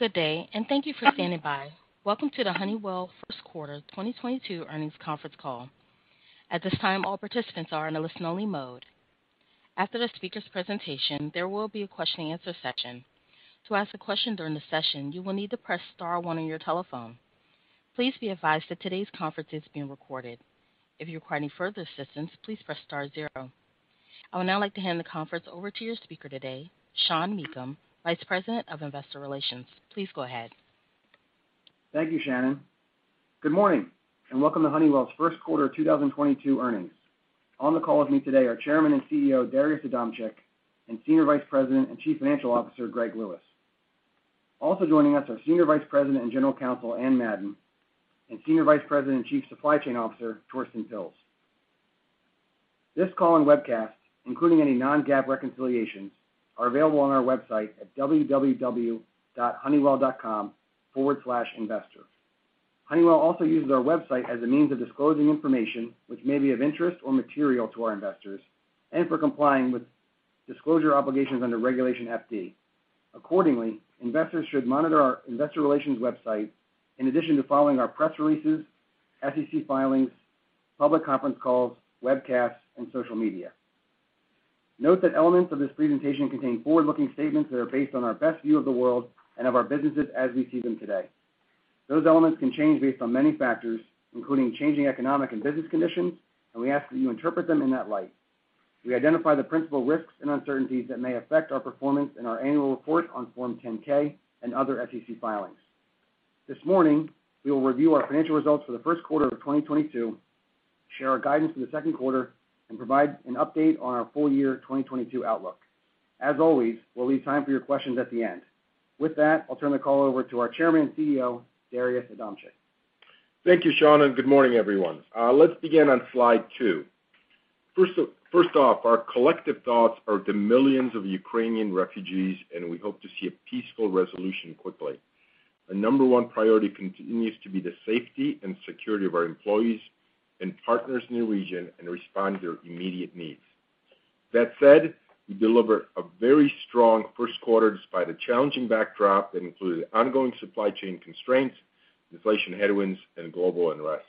Good day, And thank you for standing by. Welcome to the Honeywell first quarter 2022 earnings conference call. At this time, all participants are in a listen-only mode. After the speaker's presentation, there will be a question and answer session. To ask a question during the session, you will need to press star one on your telephone. Please be advised that today's conference is being recorded. If you require any further assistance, please press star zero. I would now like to hand the conference over to your speaker today, Sean Meakim, Vice President of Investor Relations. Please go ahead. Thank you, Shannon. Good morning, and welcome to Honeywell's first quarter 2022 earnings. On the call with me today are Chairman and CEO, Darius Adamczyk, and Senior Vice President and Chief Financial Officer, Greg Lewis. Also joining us are Senior Vice President and General Counsel, Anne Madden, and Senior Vice President and Chief Supply Chain Officer, Torsten Pilz. This call and webcast, including any non-GAAP reconciliations, are available on our website at www.honeywell.com/investor. Honeywell also uses our website as a means of disclosing information that may be of interest or material to our investors and for complying with disclosure obligations under Regulation FD. Accordingly, investors should monitor our investor relations website in addition to following our press releases, SEC filings, public conference calls, webcasts, and social media. Note that elements of this presentation contain forward-looking statements that are based on our best view of the world and of our businesses as we see them today. Those elements can change based on many factors, including changing economic and business conditions, and we ask that you interpret them in that light. We identify the principal risks and uncertainties that may affect our performance in our annual report on Form 10-K and other SEC filings. This morning, we will review our financial results for the first quarter of 2022, share our guidance for the second quarter, and provide an update on our full year 2022 outlook. As always, we'll leave time for your questions at the end. With that, I'll turn the call over to our Chairman and CEO, Darius Adamczyk. Thank you, Sean, and good morning, everyone. Let's begin on slide two. First off, our collective thoughts are with the millions of Ukrainian refugees, and we hope to see a peaceful resolution quickly. Our number one priority continues to be the safety and security of our employees and partners in the region and respond to their immediate needs. That said, we delivered a very strong first quarter despite a challenging backdrop that included ongoing supply chain constraints, inflation headwinds, and global unrest.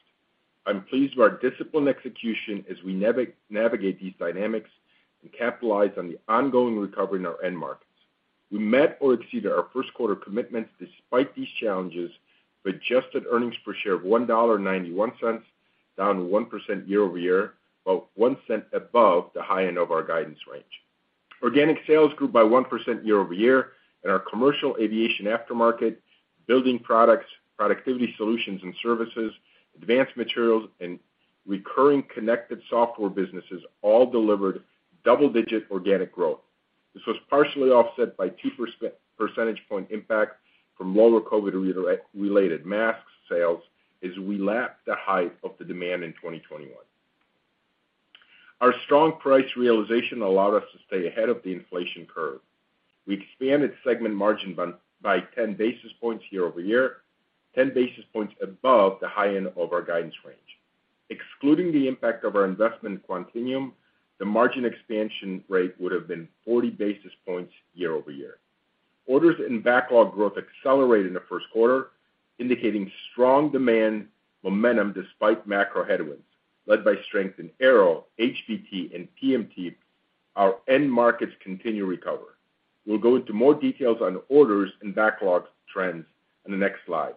I'm pleased with our disciplined execution as we navigate these dynamics and capitalize on the ongoing recovery in our end markets. We met or exceeded our first quarter commitments despite these challenges with adjusted earnings per share of $1.91, down 1% year-over-year, about $0.1 Above the high end of our guidance range. Organic sales grew by 1% year-over-year in our commercial aviation aftermarket, building products, productivity solutions and services, advanced materials, and recurring connected software businesses all delivered double-digit organic growth. This was partially offset by 2 percentage point impact from lower COVID-related mask sales as we lapped the height of the demand in 2021. Our strong price realization allowed us to stay ahead of the inflation curve. We expanded segment margin by 10 basis points year-over-year, 10 basis points above the high end of our guidance range. Excluding the impact of our investment in Quantinuum, the margin expansion rate would have been 40 basis points year-over-year. Orders and backlog growth accelerated in the first quarter, indicating strong demand momentum despite macro headwinds led by strength in Aero, HBT, and PMT. Our end markets continue to recover. We'll go into more details on orders and backlogs trends in the next slide.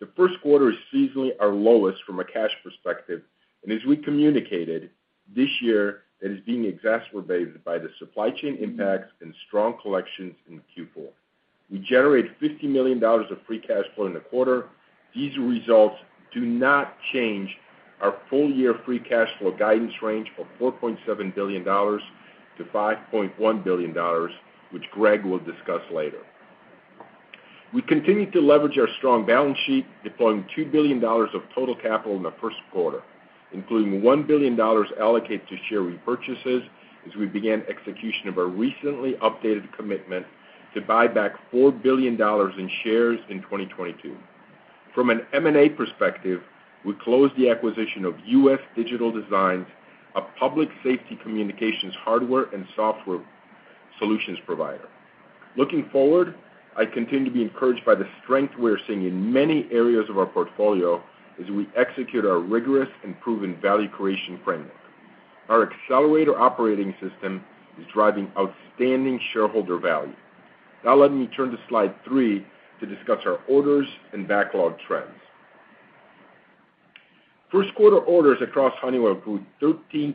The first quarter is seasonally our lowest from a cash perspective, and as we communicated this year, it is being exacerbated by the supply chain impacts and strong collections in Q4. We generated $50 million of free cash flow in the quarter. These results do not change our full year free cash flow guidance range of $4.7-5.1 billion, which Greg will discuss later. We continue to leverage our strong balance sheet, deploying $2 billion of total capital in the first quarter, including $1 billion allocated to share repurchases as we began execution of our recently updated commitment to buy back $4 billion in shares in 2022. From an M&A perspective, we closed the acquisition of U.S. Digital Designs, a public safety communications hardware and software solutions provider. Looking forward, I continue to be encouraged by the strength we are seeing in many areas of our portfolio as we execute our rigorous and proven value creation framework. Our accelerator operating system is driving outstanding shareholder value. Now let me turn to slide three to discuss our orders and backlog trends. First quarter orders across Honeywell grew 13%,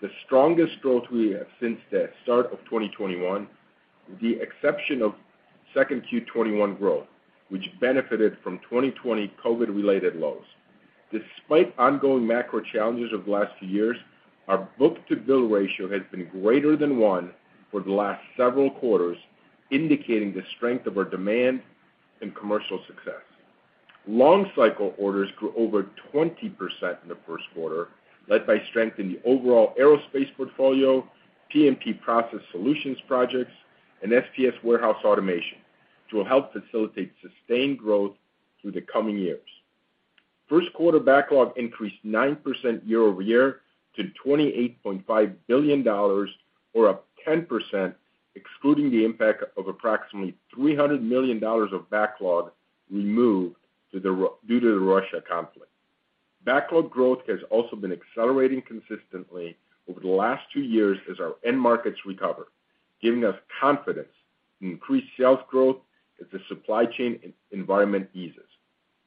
the strongest growth we have seen since the start of 2021, with the exception of second Q 2021 growth, which benefited from 2020 COVID-related lows. Despite ongoing macro challenges of the last few years, our book-to-bill ratio has been greater than one for the last several quarters, indicating the strength of our demand and commercial success. Long-cycle orders grew over 20% in the first quarter, led by strength in the overall aerospace portfolio, PMT process solutions projects, and SPS warehouse automation, which will help facilitate sustained growth through the coming years. First quarter backlog increased 9% year-over-year to $28.5 billion or up 10% excluding the impact of approximately $300 million of backlog removed due to the Russia conflict. Backlog growth has also been accelerating consistently over the last two years as our end markets recover, giving us confidence in increased sales growth as the supply chain environment eases.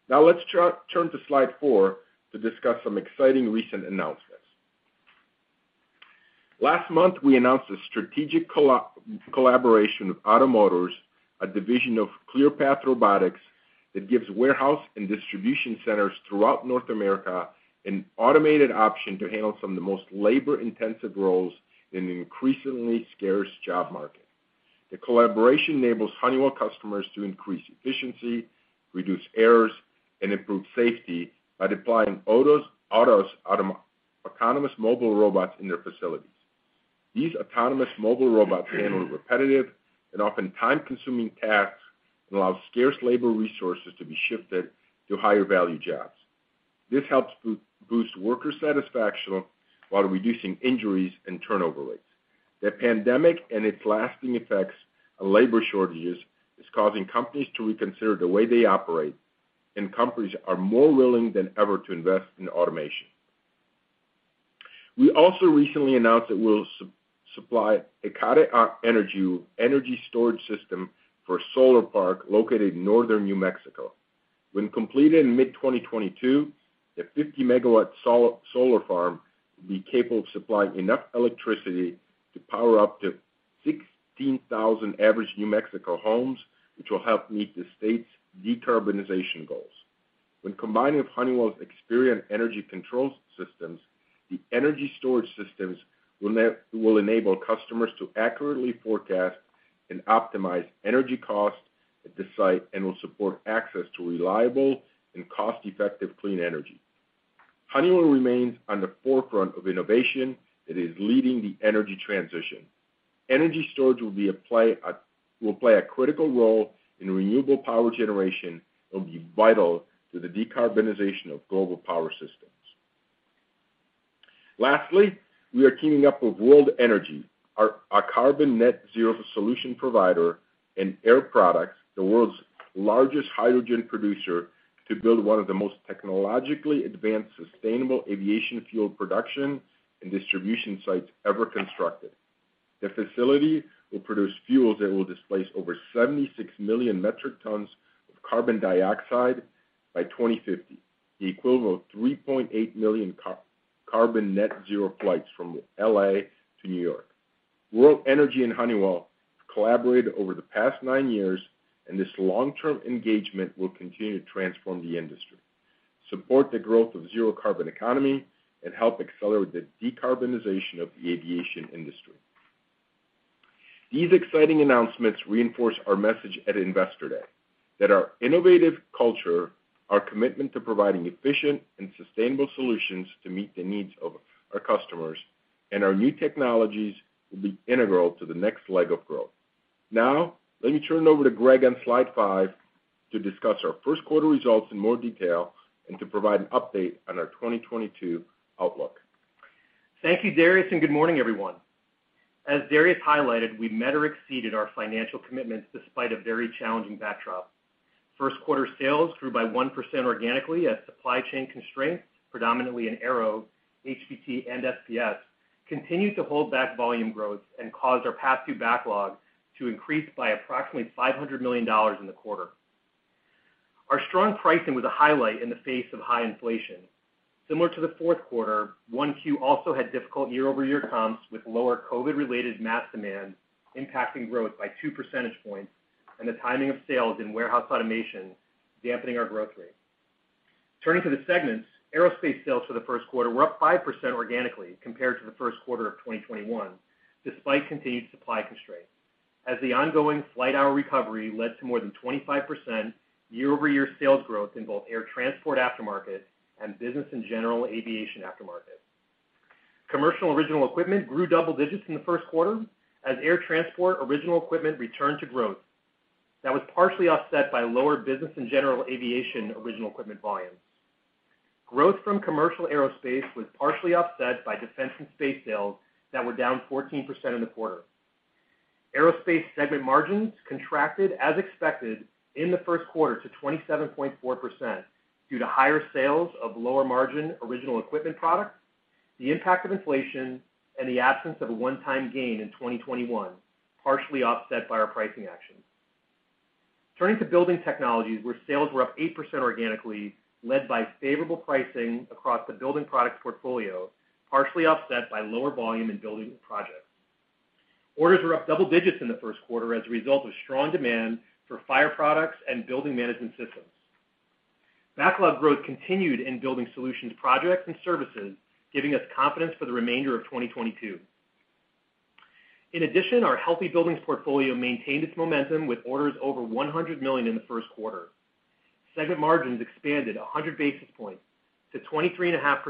Now let's turn to slide four to discuss some exciting recent announcements. Last month, we announced a strategic collaboration with OTTO Motors, a division of Clearpath Robotics, that gives warehouse and distribution centers throughout North America an automated option to handle some of the most labor-intensive roles in an increasingly scarce job market. The collaboration enables Honeywell customers to increase efficiency, reduce errors, and improve safety by deploying OTTO's autonomous mobile robots in their facilities. These autonomous mobile robots handle repetitive and often time-consuming tasks and allow scarce labor resources to be shifted to higher-value jobs. This helps boost worker satisfaction while reducing injuries and turnover rates. The pandemic and its lasting effects on labor shortages is causing companies to reconsider the way they operate, and companies are more willing than ever to invest in automation. We also recently announced that we'll supply Hecate Energy energy storage system for solar park located in northern New Mexico. When completed in mid-2022, the 50 MW solar farm will be capable of supplying enough electricity to power up to 16,000 average New Mexico homes, which will help meet the state's decarbonization goals. When combined with Honeywell's Experion energy control systems, the energy storage systems will enable customers to accurately forecast and optimize energy costs at the site and will support access to reliable and cost-effective clean energy. Honeywell remains on the forefront of innovation that is leading the energy transition. Energy storage will play a critical role in renewable power generation and will be vital to the decarbonization of global power systems. Lastly, we are teaming up with World Energy, our carbon net-zero solution provider, and Air Products, the world's largest hydrogen producer, to build one of the most technologically advanced sustainable aviation fuel production and distribution sites ever constructed. The facility will produce fuels that will displace over 76 million metric tons of carbon dioxide by 2050, the equivalent of 3.8 million carbon net zero flights from L.A. to New York. World Energy and Honeywell have collaborated over the past nine years, and this long-term engagement will continue to transform the industry, support the growth of zero carbon economy, and help accelerate the decarbonization of the aviation industry. These exciting announcements reinforce our message at Investor Day that our innovative culture, our commitment to providing efficient and sustainable solutions to meet the needs of our customers, and our new technologies will be integral to the next leg of growth. Now, let me turn it over to Greg on slide five to discuss our first quarter results in more detail and to provide an update on our 2022 outlook. Thank you, Darius, and good morning, everyone. As Darius highlighted, we met or exceeded our financial commitments despite a very challenging backdrop. First quarter sales grew by 1% organically as supply chain constraints, predominantly in Aero, HBT, and SPS, continued to hold back volume growth and caused our path to backlog to increase by approximately $500 million in the quarter. Our strong pricing was a highlight in the face of high inflation. Similar to the fourth quarter, 1Q also had difficult year-over-year comps with lower COVID-related mask demand impacting growth by 2 percentage points and the timing of sales in warehouse automation dampening our growth rate. Turning to the segments, aerospace sales for the first quarter were up 5% organically compared to the first quarter of 2021, despite continued supply constraints, as the ongoing flight hour recovery led to more than 25% year-over-year sales growth in both air transport aftermarket and business and general aviation aftermarket. Commercial original equipment grew double digits in the first quarter as air transport original equipment returned to growth. That was partially offset by lower business and general aviation original equipment volumes. Growth from commercial aerospace was partially offset by defense and space sales that were down 14% in the quarter. Aerospace segment margins contracted as expected in the first quarter to 27.4% due to higher sales of lower-margin original equipment products, the impact of inflation, and the absence of a one-time gain in 2021, partially offset by our pricing actions. Turning to building technologies, where sales were up 8% organically, led by favorable pricing across the building products portfolio, partially offset by lower volume in building projects. Orders were up double digits in the first quarter as a result of strong demand for fire products and building management systems. Backlog growth continued in building solutions projects and services, giving us confidence for the remainder of 2022. In addition, our Healthy Buildings portfolio maintained its momentum with orders over $100 million in the first quarter. Segment margins expanded 100 basis points to 23.5%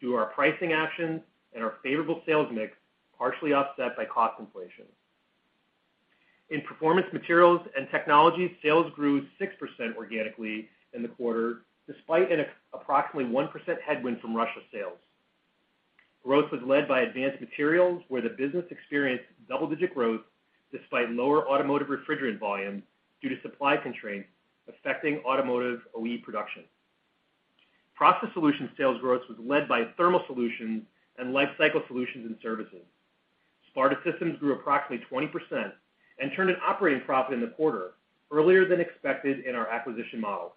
due to our pricing actions and our favorable sales mix, partially offset by cost inflation. In Performance Materials and Technologies, sales grew 6% organically in the quarter despite an approximately 1% headwind from Russia sales. Growth was led by advanced materials, where the business experienced double-digit growth despite lower automotive refrigerant volumes due to supply constraints affecting automotive OE production. Process Solutions sales growth was led by thermal solutions and lifecycle solutions and services. Sparta Systems grew approximately 20% and turned an operating profit in the quarter, earlier than expected in our acquisition model.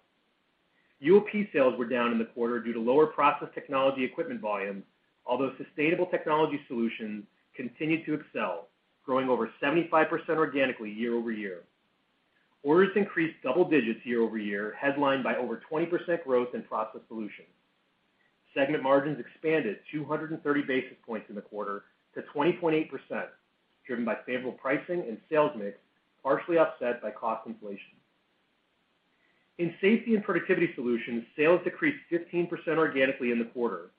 UOP sales were down in the quarter due to lower process technology equipment volumes, although Sustainable Technology Solutions continued to excel, growing over 75% organically year over year. Orders increased double digits year over year, headlined by over 20% growth in Process Solutions. Segment margins expanded 230 basis points in the quarter to 20.8%, driven by favorable pricing and sales mix, partially offset by cost inflation. In Safety and Productivity Solutions, sales decreased 15% organically in the quarter.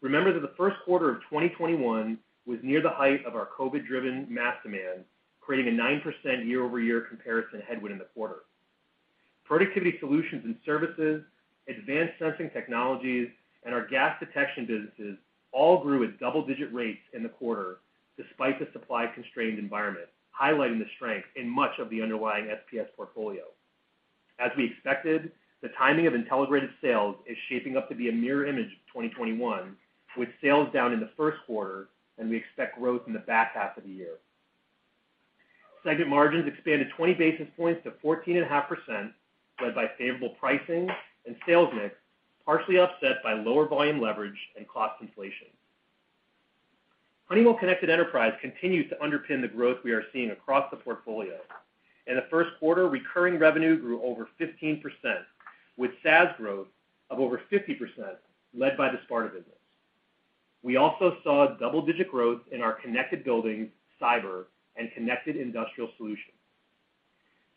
Remember that the first quarter of 2021 was near the height of our COVID-driven mass demand, creating a 9% year-over-year comparison headwind in the quarter. Productivity solutions and services, advanced sensing technologies, and our gas detection businesses all grew at double-digit rates in the quarter despite the supply-constrained environment, highlighting the strength in much of the underlying SPS portfolio. As we expected, the timing of Intelligrated sales is shaping up to be a mirror image of 2021, with sales down in the first quarter and we expect growth in the back half of the year. Segment margins expanded 20 basis points to 14.5%, led by favorable pricing and sales mix, partially offset by lower volume leverage and cost inflation. Honeywell Connected Enterprise continues to underpin the growth we are seeing across the portfolio. In the first quarter, recurring revenue grew over 15%, with SaaS growth of over 50% led by the Sparta business. We also saw double-digit growth in our Connected Buildings, cyber, and Connected Industrial solutions.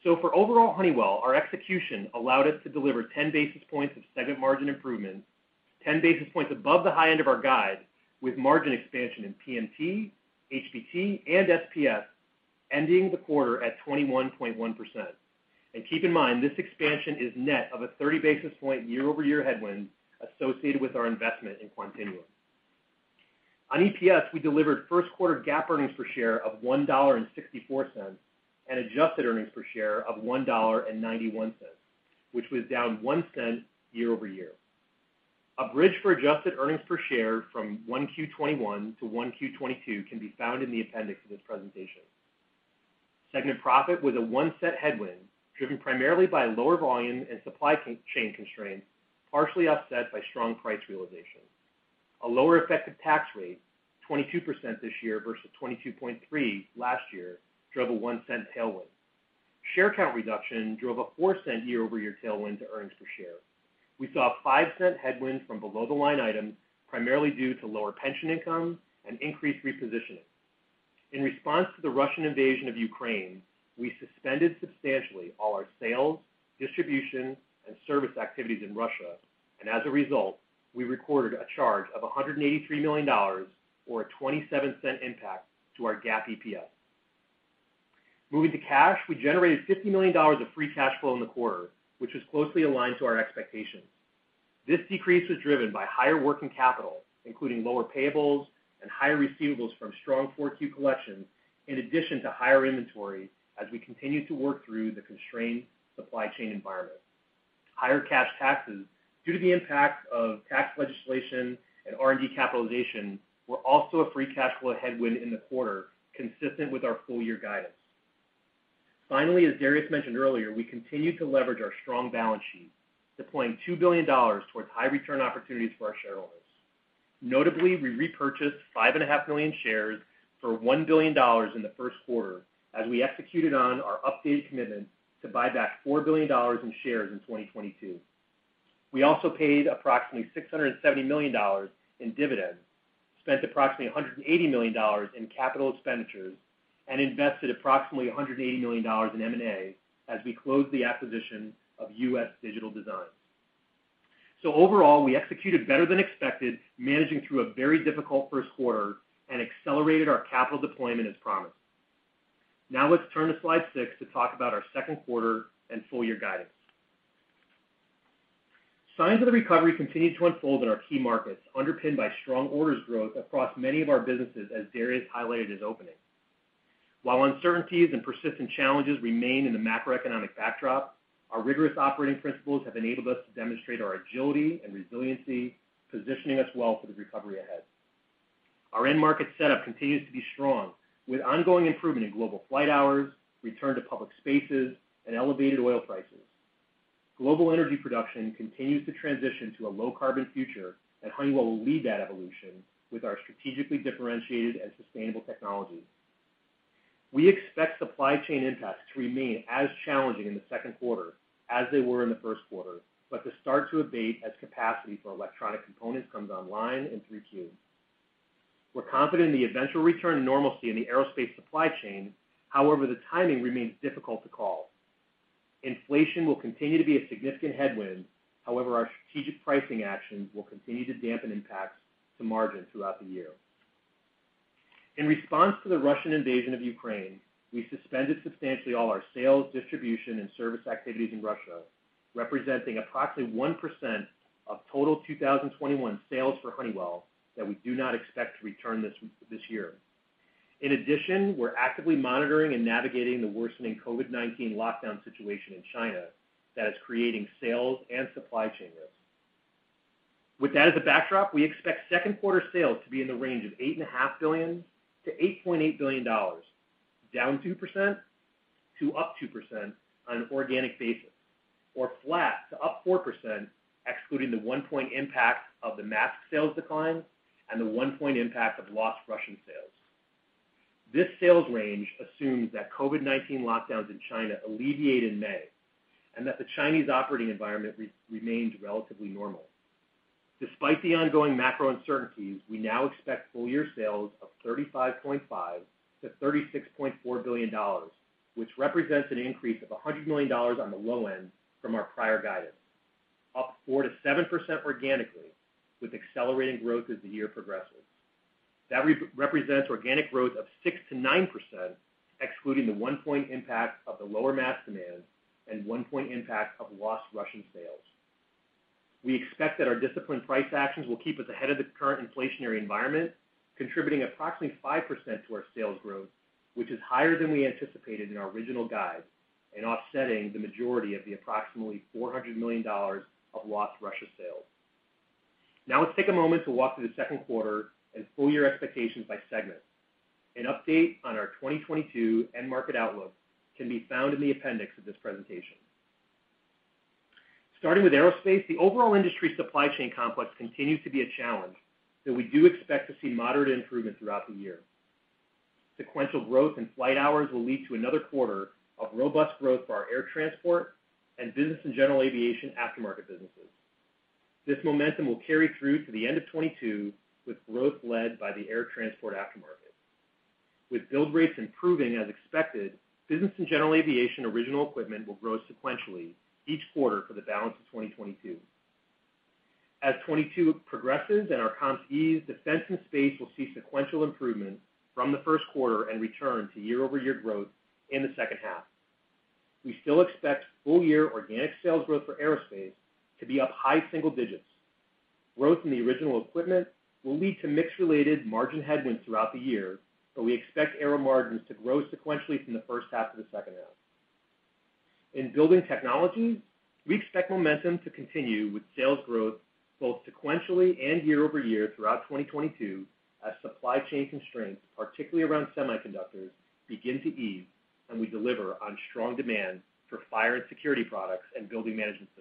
For overall Honeywell, our execution allowed us to deliver 10 basis points of segment margin improvements, 10 basis points above the high end of our guide, with margin expansion in PMT, HBT, and SPS, ending the quarter at 21.1%. Keep in mind, this expansion is net of a 30 basis point year-over-year headwind associated with our investment in Quantinuum. On EPS, we delivered first quarter GAAP earnings per share of $1.64 and adjusted earnings per share of $1.91, which was down to $0.1 Year-over-year. A bridge for adjusted earnings per share from 1Q 2021 to 1Q 2022 can be found in the appendix of this presentation. Segment profit was a $0.01 headwind, driven primarily by lower volume and supply chain constraints, partially offset by strong price realization. A lower effective tax rate, 22% this year versus 22.3% last year, drove a $0.01 tailwind. Share count reduction drove a $0.04 year-over-year tailwind to earnings per share. We saw a $0.05 headwind from below-the-line items, primarily due to lower pension income and increased repositioning. In response to the Russian invasion of Ukraine, we suspended substantially all our sales, distribution, and service activities in Russia. As a result, we recorded a charge of $183 million or a $0.27 impact to our GAAP EPS. Moving to cash, we generated $50 million of free cash flow in the quarter, which was closely aligned to our expectations. This decrease was driven by higher working capital, including lower payables and higher receivables from strong 4Q collections, in addition to higher inventory as we continue to work through the constrained supply chain environment. Higher cash taxes due to the impact of tax legislation and R&D capitalization were also a free cash flow headwind in the quarter, consistent with our full- year guidance. Finally, as Darius mentioned earlier, we continue to leverage our strong balance sheet, deploying $2 billion towards high-return opportunities for our shareholders. Notably, we repurchased 5.5 million shares for $1 billion in the first quarter as we executed on our updated commitment to buy back $4 billion in shares in 2022. We also paid approximately $670 million in dividends, spent approximately $180 million in capital expenditures, and invested approximately $180 million in M&A as we closed the acquisition of U.S. Digital Designs. Overall, we executed better than expected, managing through a very difficult first quarter and accelerated our capital deployment as promised. Now let's turn to slide six to talk about our second quarter and full year guidance. Signs of the recovery continued to unfold in our key markets, underpinned by strong orders growth across many of our businesses, as Darius highlighted in his opening. While uncertainties and persistent challenges remain in the macroeconomic backdrop, our rigorous operating principles have enabled us to demonstrate our agility and resiliency, positioning us well for the recovery ahead. Our end market setup continues to be strong with ongoing improvement in global flight hours, return to public spaces, and elevated oil prices. Global energy production continues to transition to a low carbon future, and Honeywell will lead that evolution with our strategically differentiated and sustainable technologies. We expect supply chain impacts to remain as challenging in the second quarter as they were in the first quarter, but to start to abate as capacity for electronic components comes online and through Q. We're confident in the eventual return to normalcy in the aerospace supply chain. However, the timing remains difficult to call. Inflation will continue to be a significant headwind. However, our strategic pricing actions will continue to dampen impacts to margin throughout the year. In response to the Russian invasion of Ukraine, we suspended substantially all our sales, distribution, and service activities in Russia, representing approximately 1% of total 2021 sales for Honeywell that we do not expect to return this year. In addition, we're actively monitoring and navigating the worsening COVID-19 lockdown situation in China that is creating sales and supply chain risks. With that as a backdrop, we expect second quarter sales to be in the range of $8.5-8.8 billion, down 2% to up 2% on an organic basis, or flat to up 4% excluding the 1% impact of the mask sales decline and the 1% impact of lost Russian sales. This sales range assumes that COVID-19 lockdowns in China alleviate in May, and that the Chinese operating environment remains relatively normal. Despite the ongoing macro uncertainties, we now expect full year sales of $35.5-36.4 billion, which represents an increase of $100 million on the low end from our prior guidance, up 4%-7% organically with accelerating growth as the year progresses. That represents organic growth of 6%-9%, excluding the 1% impact of the lower mask demand and 1% impact of lost Russian sales. We expect that our disciplined price actions will keep us ahead of the current inflationary environment, contributing approximately 5% to our sales growth, which is higher than we anticipated in our original guide and offsetting the majority of the approximately $400 million of lost Russia sales. Now let's take a moment to walk through the second quarter and full year expectations by segment. An update on our 2022 end market outlook can be found in the appendix of this presentation. Starting with aerospace, the overall industry supply chain complex continues to be a challenge, though we do expect to see moderate improvement throughout the year. Sequential growth in flight hours will lead to another quarter of robust growth for our air transport and business and general aviation aftermarket businesses. This momentum will carry through to the end of 2022 with growth led by the air transport aftermarket. With build rates improving as expected, business and general aviation original equipment will grow sequentially each quarter for the balance of 2022. As 2022 progresses and our comps ease, defense and space will see sequential improvement from the first quarter and return to year-over-year growth in the second half. We still expect full-year organic sales growth for aerospace to be up high single digits%. Growth in the original equipment will lead to mix-related margin headwinds throughout the year, but we expect aero margins to grow sequentially from the first half to the second half. In building technology, we expect momentum to continue with sales growth both sequentially and year over year throughout 2022 as supply chain constraints, particularly around semiconductors, begin to ease and we deliver on strong demand for fire and security products and building management systems.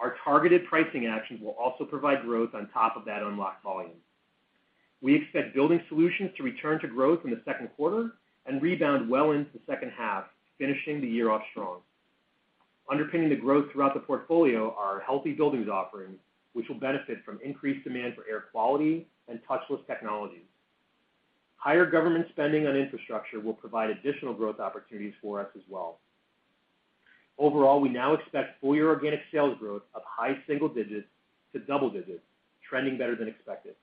Our targeted pricing actions will also provide growth on top of that unlocked volume. We expect building solutions to return to growth in the second quarter and rebound well into the second half, finishing the year off strong. Underpinning the growth throughout the portfolio are our Healthy Buildings offerings, which will benefit from increased demand for air quality and touchless technologies. Higher government spending on infrastructure will provide additional growth opportunities for us as well. Overall, we now expect full year organic sales growth of high single digits to double digits, trending better than expected.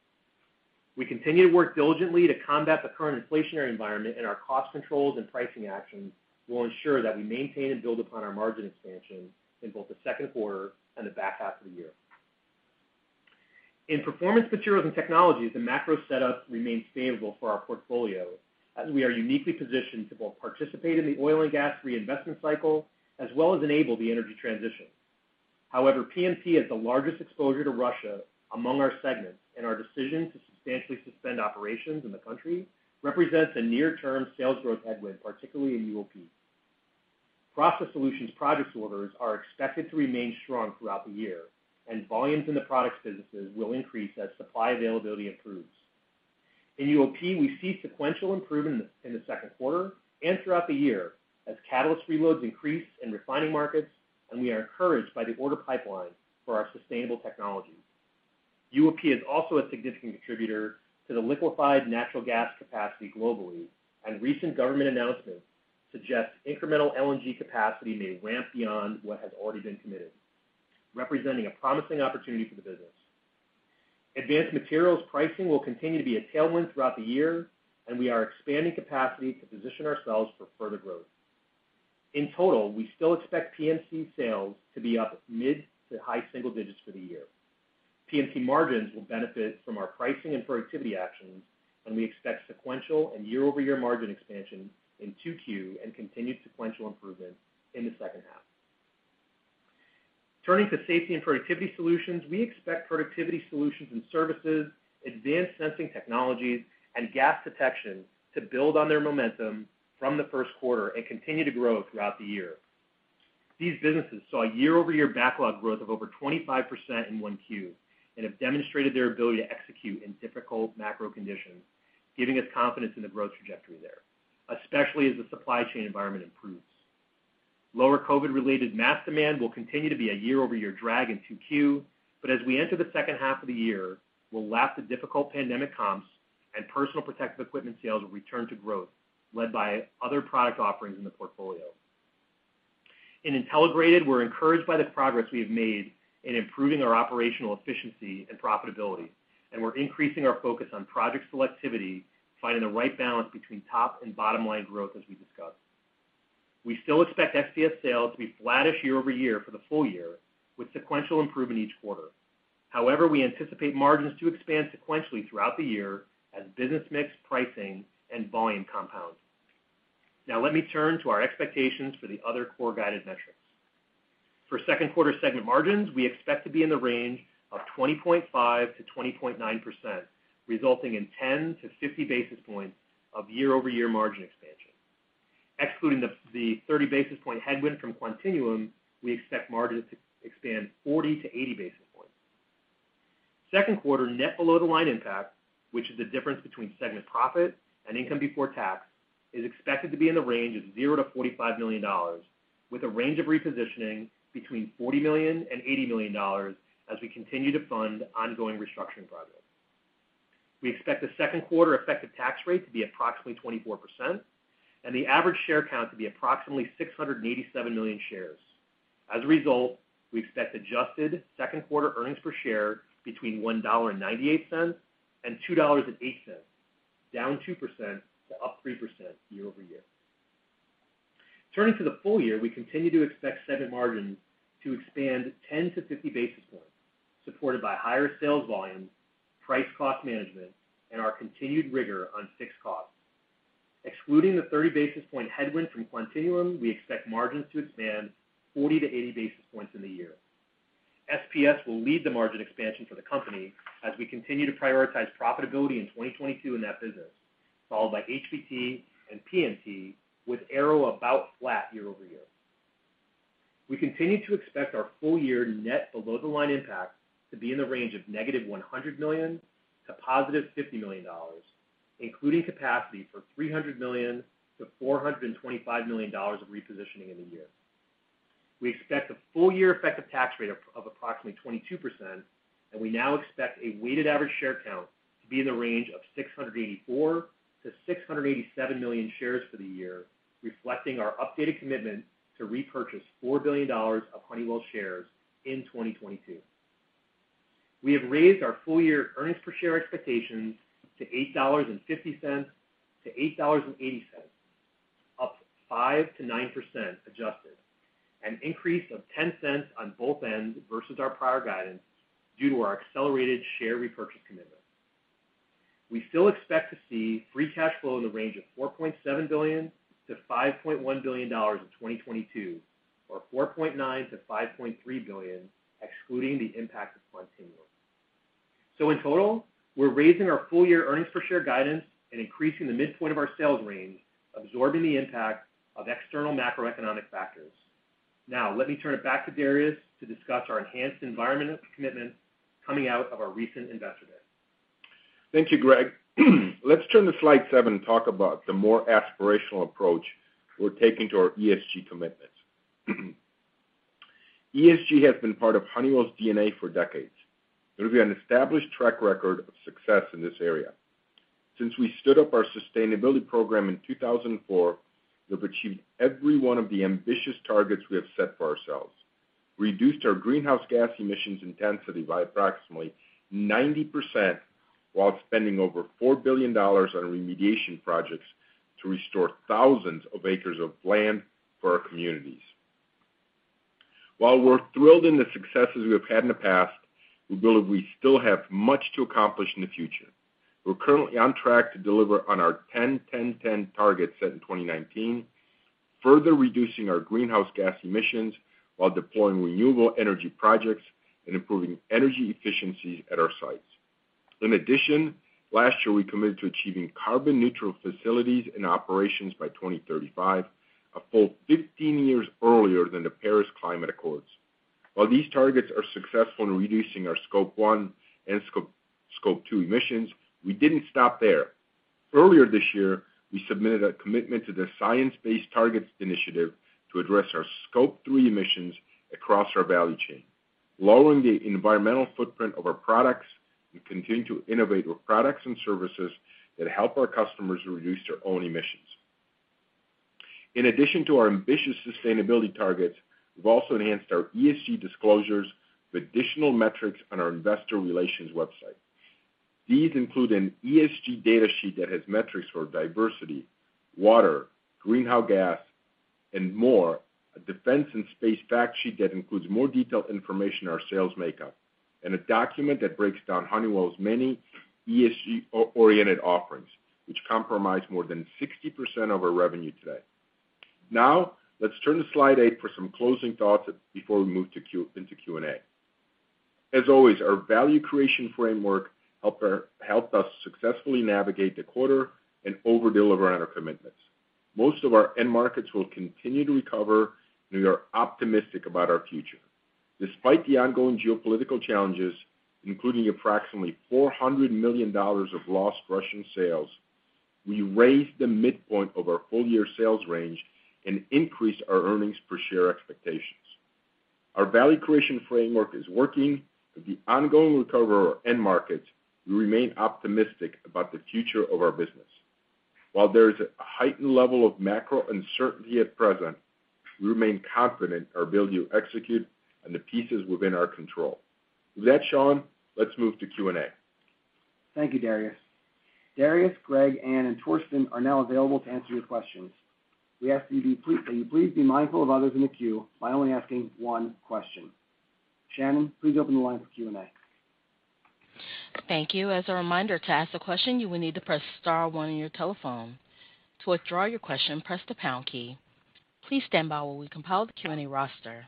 We continue to work diligently to combat the current inflationary environment, and our cost controls and pricing actions will ensure that we maintain and build upon our margin expansion in both the second quarter and the back half of the year. In performance materials and technologies, the macro setup remains favorable for our portfolio as we are uniquely positioned to both participate in the oil and gas reinvestment cycle as well as enable the energy transition. However, PMT has the largest exposure to Russia among our segments, and our decision to substantially suspend operations in the country represents a near term sales growth headwind, particularly in UOP. Process Solutions products orders are expected to remain strong throughout the year, and volumes in the products businesses will increase as supply availability improves. In UOP, we see sequential improvement in the second quarter and throughout the year as catalyst reloads increase in refining markets, and we are encouraged by the order pipeline for our sustainable technologies. UOP is also a significant contributor to the liquefied natural gas capacity globally, and recent government announcements suggest incremental LNG capacity may ramp beyond what has already been committed, representing a promising opportunity for the business. Advanced materials pricing will continue to be a tailwind throughout the year, and we are expanding capacity to position ourselves for further growth. In total, we still expect PMT sales to be up mid- to high-single-digit % for the year. PMT margins will benefit from our pricing and productivity actions, and we expect sequential and year-over-year margin expansion in 2Q and continued sequential improvements in the second half. Turning to safety and productivity solutions, we expect productivity solutions and services, advanced sensing technologies, and gas detection to build on their momentum from the first quarter and continue to grow throughout the year. These businesses saw year-over-year backlog growth of over 25% in 1Q and have demonstrated their ability to execute in difficult macro conditions, giving us confidence in the growth trajectory there, especially as the supply chain environment improves. Lower COVID-related mask demand will continue to be a year-over-year drag in 2Q, but as we enter the second half of the year, we'll lap the difficult pandemic comps. Personal protective equipment sales will return to growth, led by other product offerings in the portfolio. In Intelligrated, we're encouraged by the progress we have made in improving our operational efficiency and profitability, and we're increasing our focus on project selectivity, finding the right balance between top and bottom-line growth, as we discussed. We still expect SPS sales to be flattish year-over-year for the full year, with sequential improvement each quarter. However, we anticipate margins to expand sequentially throughout the year as business mix, pricing, and volume compound. Now let me turn to our expectations for the other core guided metrics. For second quarter segment margins, we expect to be in the range of 20.5%-20.9%, resulting in 10-50 basis points of year-over-year margin expansion. Excluding the thirty basis points headwind from Quantinuum, we expect margins to expand 40-80 basis points. Second quarter net below the line impact, which is the difference between segment profit and income before tax, is expected to be in the range of 0-$45 million, with a range of repositioning between $40 million and $80 million as we continue to fund ongoing restructuring projects. We expect the second quarter effective tax rate to be approximately 24%, and the average share count to be approximately 687 million shares. As a result, we expect adjusted second quarter earnings per share between $1.98 and $2.08, down 2% to up 3% year-over-year. Turning to the full year, we continue to expect segment margins to expand 10-50 basis points, supported by higher sales volumes, price cost management, and our continued rigor on fixed costs. Excluding the 30 basis point headwind from Quantinuum, we expect margins to expand 40-80 basis points in the year. SPS will lead the margin expansion for the company as we continue to prioritize profitability in 2022 in that business, followed by HBT and PMT, with Aero about flat year-over-year. We continue to expect our full year net below the line impact to be in the range of negative $100 million to $50 million, including capacity for $300-425 million of repositioning in the year. We expect a full year effective tax rate of approximately 22%, and we now expect a weighted average share count to be in the range of 684-687 million shares for the year, reflecting our updated commitment to repurchase $4 billion of Honeywell shares in 2022. We have raised our full year earnings per share expectations to $8.50-$8.80, up 5%-9% adjusted, an increase of $0.10 on both ends versus our prior guidance due to our accelerated share repurchase commitment. We still expect to see free cash flow in the range of $4.7 -5.1 billion in 2022, or $4.9 -5.3 billion, excluding the impact of Quantinuum. In total, we're raising our full year earnings per share guidance and increasing the midpoint of our sales range, absorbing the impact of external macroeconomic factors. Now let me turn it back to Darius to discuss our enhanced environmental commitment coming out of our recent Investor Day. Thank you, Greg. Let's turn to slide seven and talk about the more aspirational approach we're taking to our ESG commitments. ESG has been part of Honeywell's DNA for decades, and we have an established track record of success in this area. Since we stood up our sustainability program in 2004, we have achieved every one of the ambitious targets we have set for ourselves, reduced our greenhouse gas emissions intensity by approximately 90% while spending over $4 billion on remediation projects to restore thousands of acres of land for our communities. While we're thrilled in the successes we have had in the past, we believe we still have much to accomplish in the future. We're currently on track to deliver on our 10-10-10 target set in 2019, further reducing our greenhouse gas emissions while deploying renewable energy projects and improving energy efficiency at our sites. In addition, last year we committed to achieving carbon neutral facilities and operations by 2035, a full 15 years earlier than the Paris Climate Accords. While these targets are successful in reducing our Scope 1 and Scope 2 emissions, we didn't stop there. Earlier this year, we submitted a commitment to the Science Based Targets initiative to address our Scope 3 emissions across our value chain, lowering the environmental footprint of our products and continuing to innovate with products and services that help our customers reduce their own emissions. In addition to our ambitious sustainability targets, we've also enhanced our ESG disclosures with additional metrics on our investor relations website. These include an ESG data sheet that has metrics for diversity, water, greenhouse gas, and more, a defense and space fact sheet that includes more detailed information on our sales makeup, and a document that breaks down Honeywell's many ESG-oriented offerings, which comprise more than 60% of our revenue today. Now, let's turn to slide eight for some closing thoughts before we move into Q&A. As always, our value creation framework helped us successfully navigate the quarter and over-deliver on our commitments. Most of our end markets will continue to recover, and we are optimistic about our future. Despite the ongoing geopolitical challenges, including approximately $400 million of lost Russian sales, we raised the midpoint of our full year sales range and increased our earnings per share expectation. Our value creation framework is working with the ongoing recovery of our end markets. We remain optimistic about the future of our business. While there is a heightened level of macro uncertainty at present, we remain confident in our ability to execute on the pieces within our control. With that, Sean, let's move to Q&A. Thank you, Darius. Darius, Greg, Anne, and Torsten are now available to answer your questions. We ask that you please be mindful of others in the queue by only asking one question. Shannon, please open the line for Q&A. Thank you. As a reminder, to ask a question, you will need to press star one on your telephone. To withdraw your question, press the pound key. Please stand by while we compile the Q&A roster.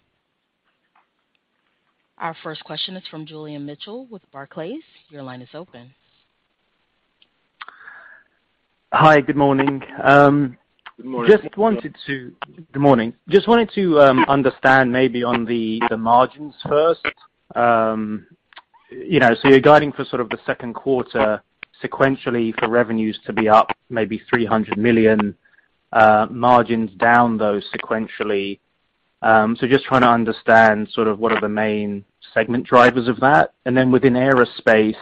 Our first question is from Julian Mitchell with Barclays. Your line is open. Hi. Good morning. Good morning. Good morning. Just wanted to understand maybe on the margins first. You know, so you're guiding for sort of the second quarter sequentially for revenues to be up maybe $300 million, margins down though sequentially. Just trying to understand sort of what are the main segment drivers of that. Within aerospace,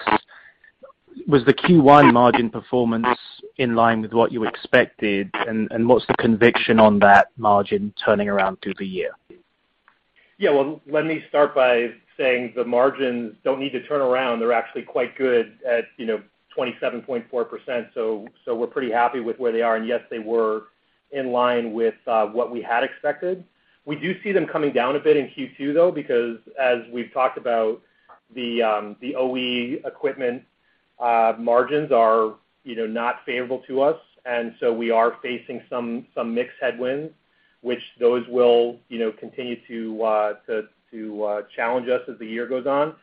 was the Q1 margin performance in line with what you expected, and what's the conviction on that margin turning around through the year? Yeah. Well, let me start by saying the margins don't need to turn around. They're actually quite good at, you know, 27.4%. We're pretty happy with where they are. Yes, they were in line with what we had expected. We do see them coming down a bit in Q2, though, because as we've talked about, the OE equipment margins are, you know, not favorable to us, and so we are facing some mixed headwinds, which those will, you know, continue to challenge us as the year goes on.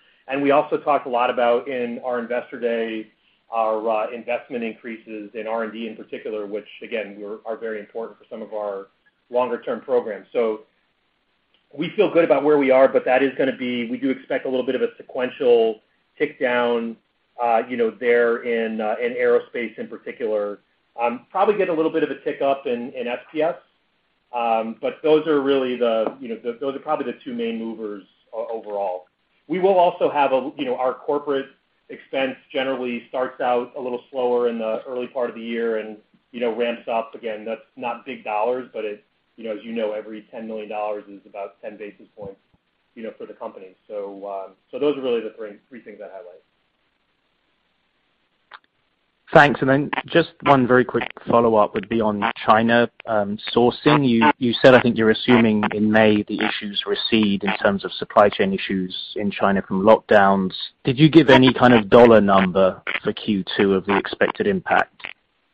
We also talked a lot about in our Investor Day our investment increases in R&D in particular, which again, are very important for some of our longer term programs. We feel good about where we are, but that is gonna be. We do expect a little bit of a sequential tick down, you know, there in aerospace in particular. Probably get a little bit of a tick up in SPS. Those are really the two main movers overall. We will also have, you know, our corporate expense generally starts out a little slower in the early part of the year and, you know, ramps up again. That's not big dollars, but it, you know, as you know, every $10 million is about 10 basis points, you know, for the company. Those are really the three things I'd highlight. Thanks. Just one very quick follow-up would be on China sourcing. You said, I think, you're assuming in May the issues recede in terms of supply chain issues in China from lockdowns. Did you give any kind of dollar number for Q2 of the expected impact?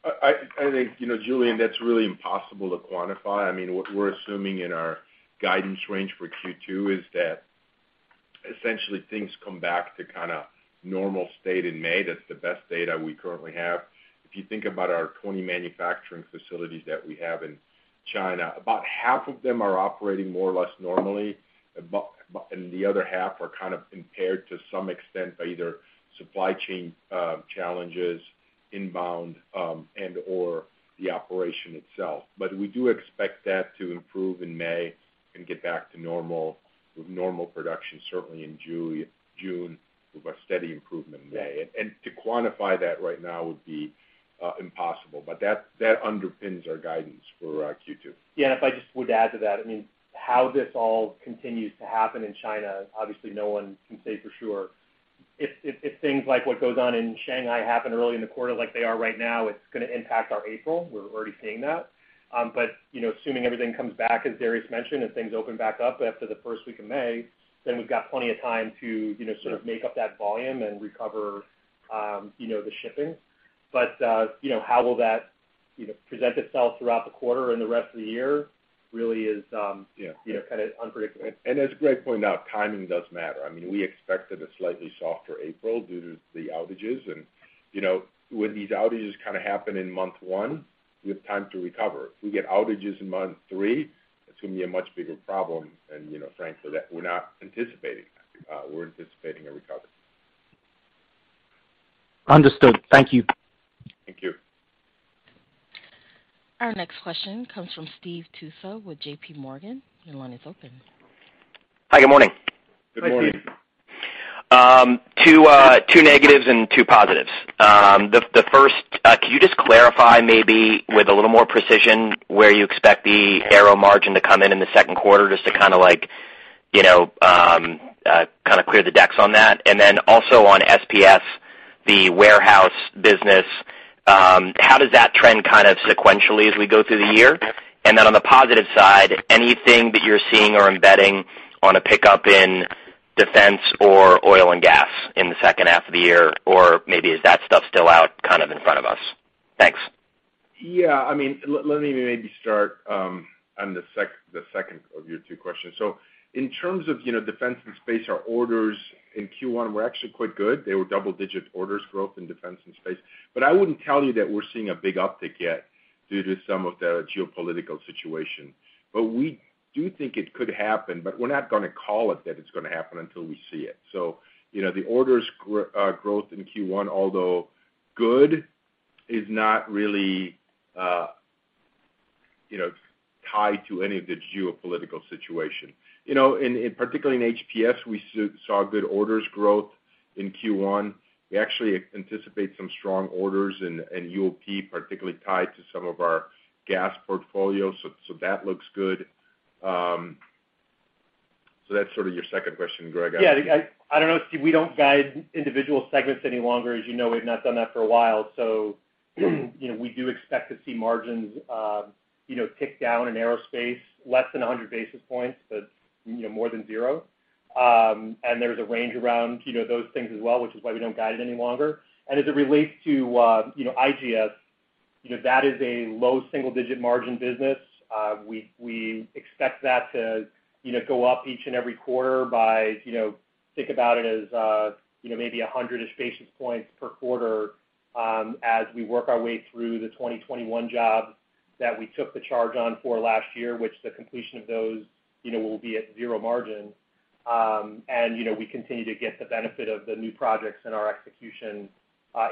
I think, you know, Julian, that's really impossible to quantify. I mean, what we're assuming in our guidance range for Q2 is that essentially things come back to kinda normal state in May. That's the best data we currently have. If you think about our 20 manufacturing facilities that we have in China, about half of them are operating more or less normally, but and the other half are kind of impaired to some extent by either supply chain challenges inbound, and/or the operation itself. But we do expect that to improve in May and get back to normal with normal production, certainly in June, with a steady improvement in May. To quantify that right now would be impossible, but that underpins our guidance for Q2. Yeah. If I just would add to that, I mean, how this all continues to happen in China, obviously no one can say for sure. If things like what goes on in Shanghai happen early in the quarter like they are right now, it's gonna impact our April. We're already seeing that. You know, assuming everything comes back, as Darius mentioned, if things open back up after the first week of May, then we've got plenty of time to, you know, sort of make up that volume and recover, you know, the shipping. You know, how will that, you know, present itself throughout the quarter and the rest of the year really is, you know, kind of unpredictable. As Greg pointed out, timing does matter. I mean, we expected a slightly softer April due to the outages. You know, when these outages kind of happen in month one, we have time to recover. If we get outages in month three, that's gonna be a much bigger problem. You know, frankly, that we're not anticipating that. We're anticipating a recovery. Understood. Thank you. Thank you. Our next question comes from Steve Tusa with JP Morgan. Your line is open. Hi. Good morning. Good morning. Hi, Steve. Two negatives and two positives. The first, could you just clarify maybe with a little more precision where you expect the aero margin to come in in the second quarter, just to kinda like, you know, kinda clear the decks on that? And then also on SPS, the warehouse business, how does that trend kind of sequentially as we go through the year? And then on the positive side, anything that you're seeing or embedding on a pickup in defense or oil and gas in the second half of the year? Or maybe is that stuff still out kind of in front of us? Thanks. Yeah. I mean, let me maybe start on the second of your two questions. In terms of, you know, defense and space, our orders in Q1 were actually quite good. They were double-digit orders growth in defense and space. I wouldn't tell you that we're seeing a big uptick yet due to some of the geopolitical situation. We do think it could happen, but we're not gonna call it that it's gonna happen until we see it. You know, the orders growth in Q1, although good, is not really, you know, tied to any of the geopolitical situation. You know, in particular in HPS, we saw good orders growth in Q1. We actually anticipate some strong orders in UOP, particularly tied to some of our gas portfolio. That looks good. That's sort of your second question, Greg. Yeah. I don't know, Steve, we don't guide individual segments any longer. As you know, we've not done that for a while. You know, we do expect to see margins, you know, tick down in aerospace, less than 100 basis points, but, you know, more than zero. There's a range around, you know, those things as well, which is why we don't guide it any longer. As it relates to, you know, IGS, you know, that is a low single-digit margin business. We expect that to go up each and every quarter by, you know, think about it as, you know, maybe 100-ish basis points per quarter, as we work our way through the 2021 jobs that we took the charge on for last year, which the completion of those, you know, will be at zero margin. We continue to get the benefit of the new projects and our execution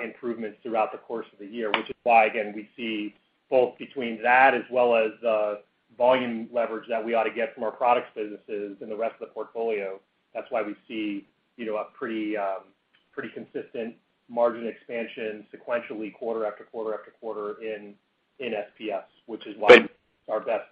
improvements throughout the course of the year, which is why, again, we see both between that as well as volume leverage that we ought to get from our products businesses and the rest of the portfolio. That's why we see, you know, a pretty consistent margin expansion sequentially quarter after quarter after quarter in SPS, which is why But- It's our best.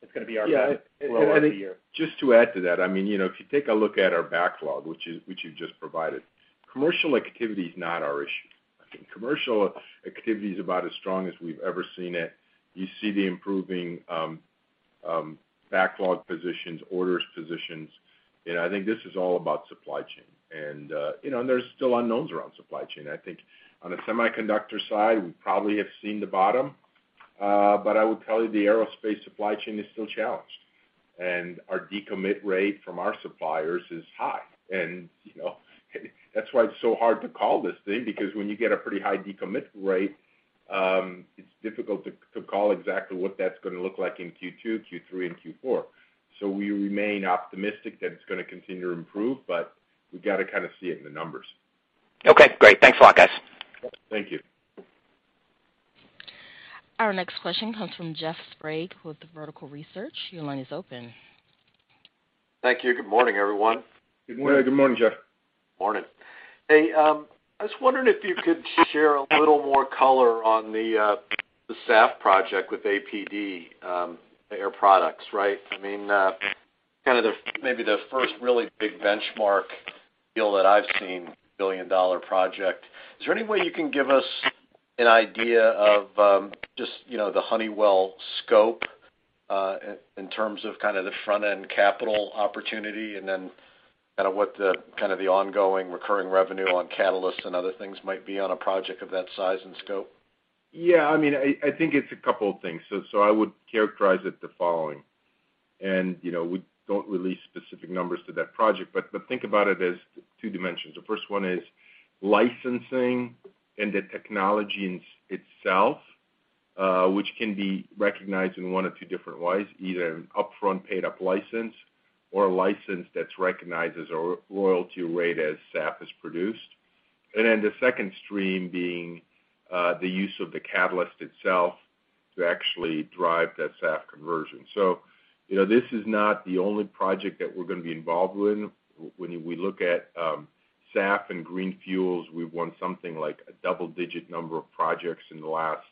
It's gonna be our best. Yeah. for the rest of the year. Just to add to that, I mean, you know, if you take a look at our backlog, which you've just provided, commercial activity is not our issue. I think commercial activity is about as strong as we've ever seen it. You see the improving backlog positions, orders positions, and I think this is all about supply chain. You know, and there's still unknowns around supply chain. I think on the semiconductor side, we probably have seen the bottom, but I would tell you the aerospace supply chain is still challenged. Our decommit rate from our suppliers is high. You know, that's why it's so hard to call this thing because when you get a pretty high decommit rate, it's difficult to call exactly what that's gonna look like in Q2, Q3, and Q4. We remain optimistic that it's gonna continue to improve, but we've got to kind of see it in the numbers. Okay, great. Thanks a lot, guys. Thank you. Our next question comes from Jeff Sprague with Vertical Research. Your line is open. Thank you. Good morning, everyone. Good morning. Good morning, Jeff. Morning. Hey, I was wondering if you could share a little more color on the SAF project with APD, Air Products, right? I mean, kind of the, maybe the first really big benchmark deal that I've seen, billion-dollar project. Is there any way you can give us an idea of, just, you know, the Honeywell scope, in terms of kind of the front-end capital opportunity and then kind of what the kind of the ongoing recurring revenue on catalysts and other things might be on a project of that size and scope? Yeah, I mean, I think it's a couple of things. I would characterize it the following. You know, we don't release specific numbers to that project, but think about it as two dimensions. The first one is licensing and the technology itself, which can be recognized in one of two different ways, either an upfront paid-up license or a license that's recognized as a royalty rate as SAF is produced. Then the second stream being the use of the catalyst itself to actually drive that SAF conversion. You know, this is not the only project that we're gonna be involved with. When we look at SAF and green fuels, we've won something like a double-digit number of projects in the last,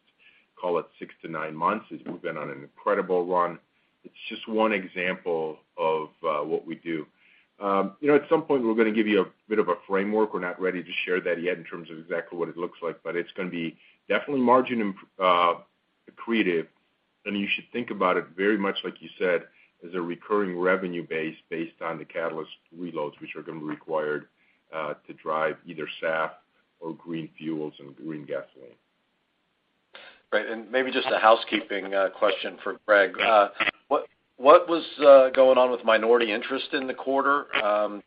call it, six to nine months, as we've been on an incredible run. It's just one example of what we do. You know, at some point, we're gonna give you a bit of a framework. We're not ready to share that yet in terms of exactly what it looks like, but it's gonna be definitely margin accretive. You should think about it very much like you said, as a recurring revenue base based on the catalyst reloads, which are gonna be required to drive either SAF or green fuels and green gasoline. Right. Maybe just a housekeeping question for Greg. What was going on with minority interest in the quarter?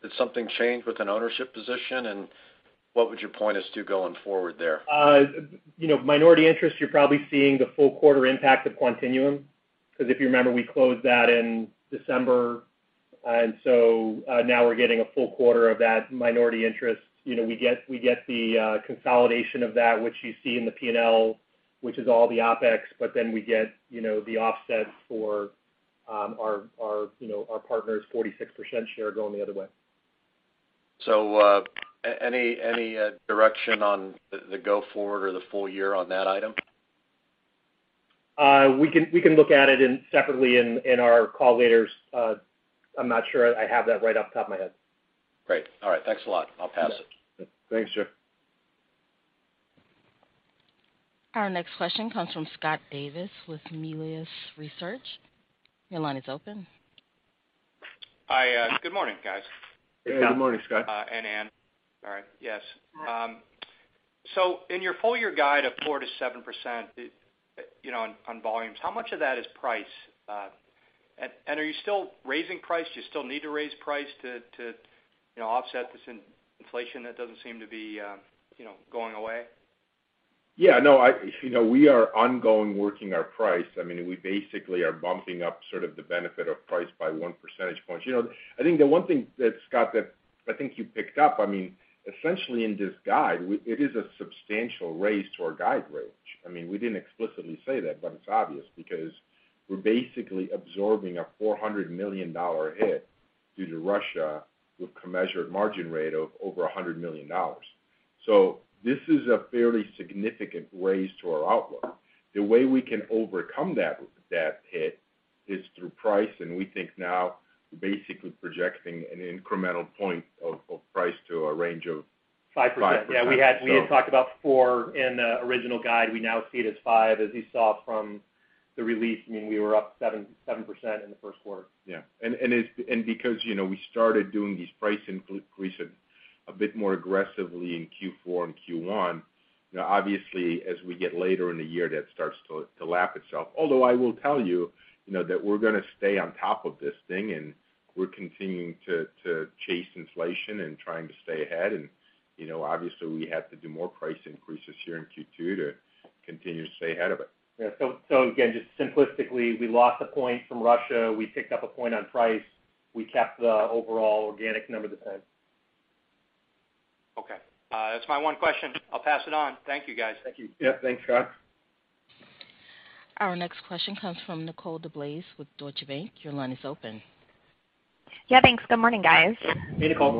Did something change with an ownership position? What would you point us to going forward there? You know, minority interest, you're probably seeing the full quarter impact of Quantinuum, because if you remember, we closed that in December. Now we're getting a full quarter of that minority interest. You know, we get the consolidation of that, which you see in the P&L, which is all the OpEx, but then we get you know, the offset for our you know, our partner's 46% share going the other way. Any direction on the go-forward or the full year on that item? We can look at it separately in our call later. I'm not sure I have that right off the top of my head. Great. All right. Thanks a lot. I'll pass it. Thanks, Jeff. Our next question comes from Scott Davis with Melius Research. Your line is open. Hi. Good morning, guys. Good morning, Scott. Anne. All right. Yes. In your full year guide of 4%-7%, you know, on volumes, how much of that is price? And are you still raising price? Do you still need to raise price to, you know, offset this inflation that doesn't seem to be, you know, going away? Yeah, no, you know, we are ongoing working our price. I mean, we basically are bumping up sort of the benefit of price by one percentage point. You know, I think the one thing that, Scott, that I think you picked up, I mean, essentially in this guide, it is a substantial raise to our guide range. I mean, we didn't explicitly say that, but it's obvious because we're basically absorbing a $400 million hit due to Russia with measured margin impact of over $100 million. So this is a fairly significant raise to our outlook. The way we can overcome that hit is through price, and we think now basically projecting an incremental point of price to a range of- 5%. 5%. Yeah, we had talked about four in the original guide. We now see it as five. As you saw from the release, I mean, we were up 7% in the first quarter. Yeah. Because, you know, we started doing these price increase a bit more aggressively in Q4 and Q1, you know, obviously as we get later in the year, that starts to lap itself. Although I will tell you know, that we're gonna stay on top of this thing, and we're continuing to chase inflation and trying to stay ahead. You know, obviously, we have to do more price increases here in Q2 to continue to stay ahead of it. Yeah. Again, just simplistically, we lost a point from Russia. We picked up a point on price. We kept the overall organic number the same. Okay. That's my one question. I'll pass it on. Thank you, guys. Thank you. Yeah. Thanks, Scott. Our next question comes from Nicole DeBlase with Deutsche Bank. Your line is open. Yeah, thanks. Good morning, guys. Hey, Nicole. Good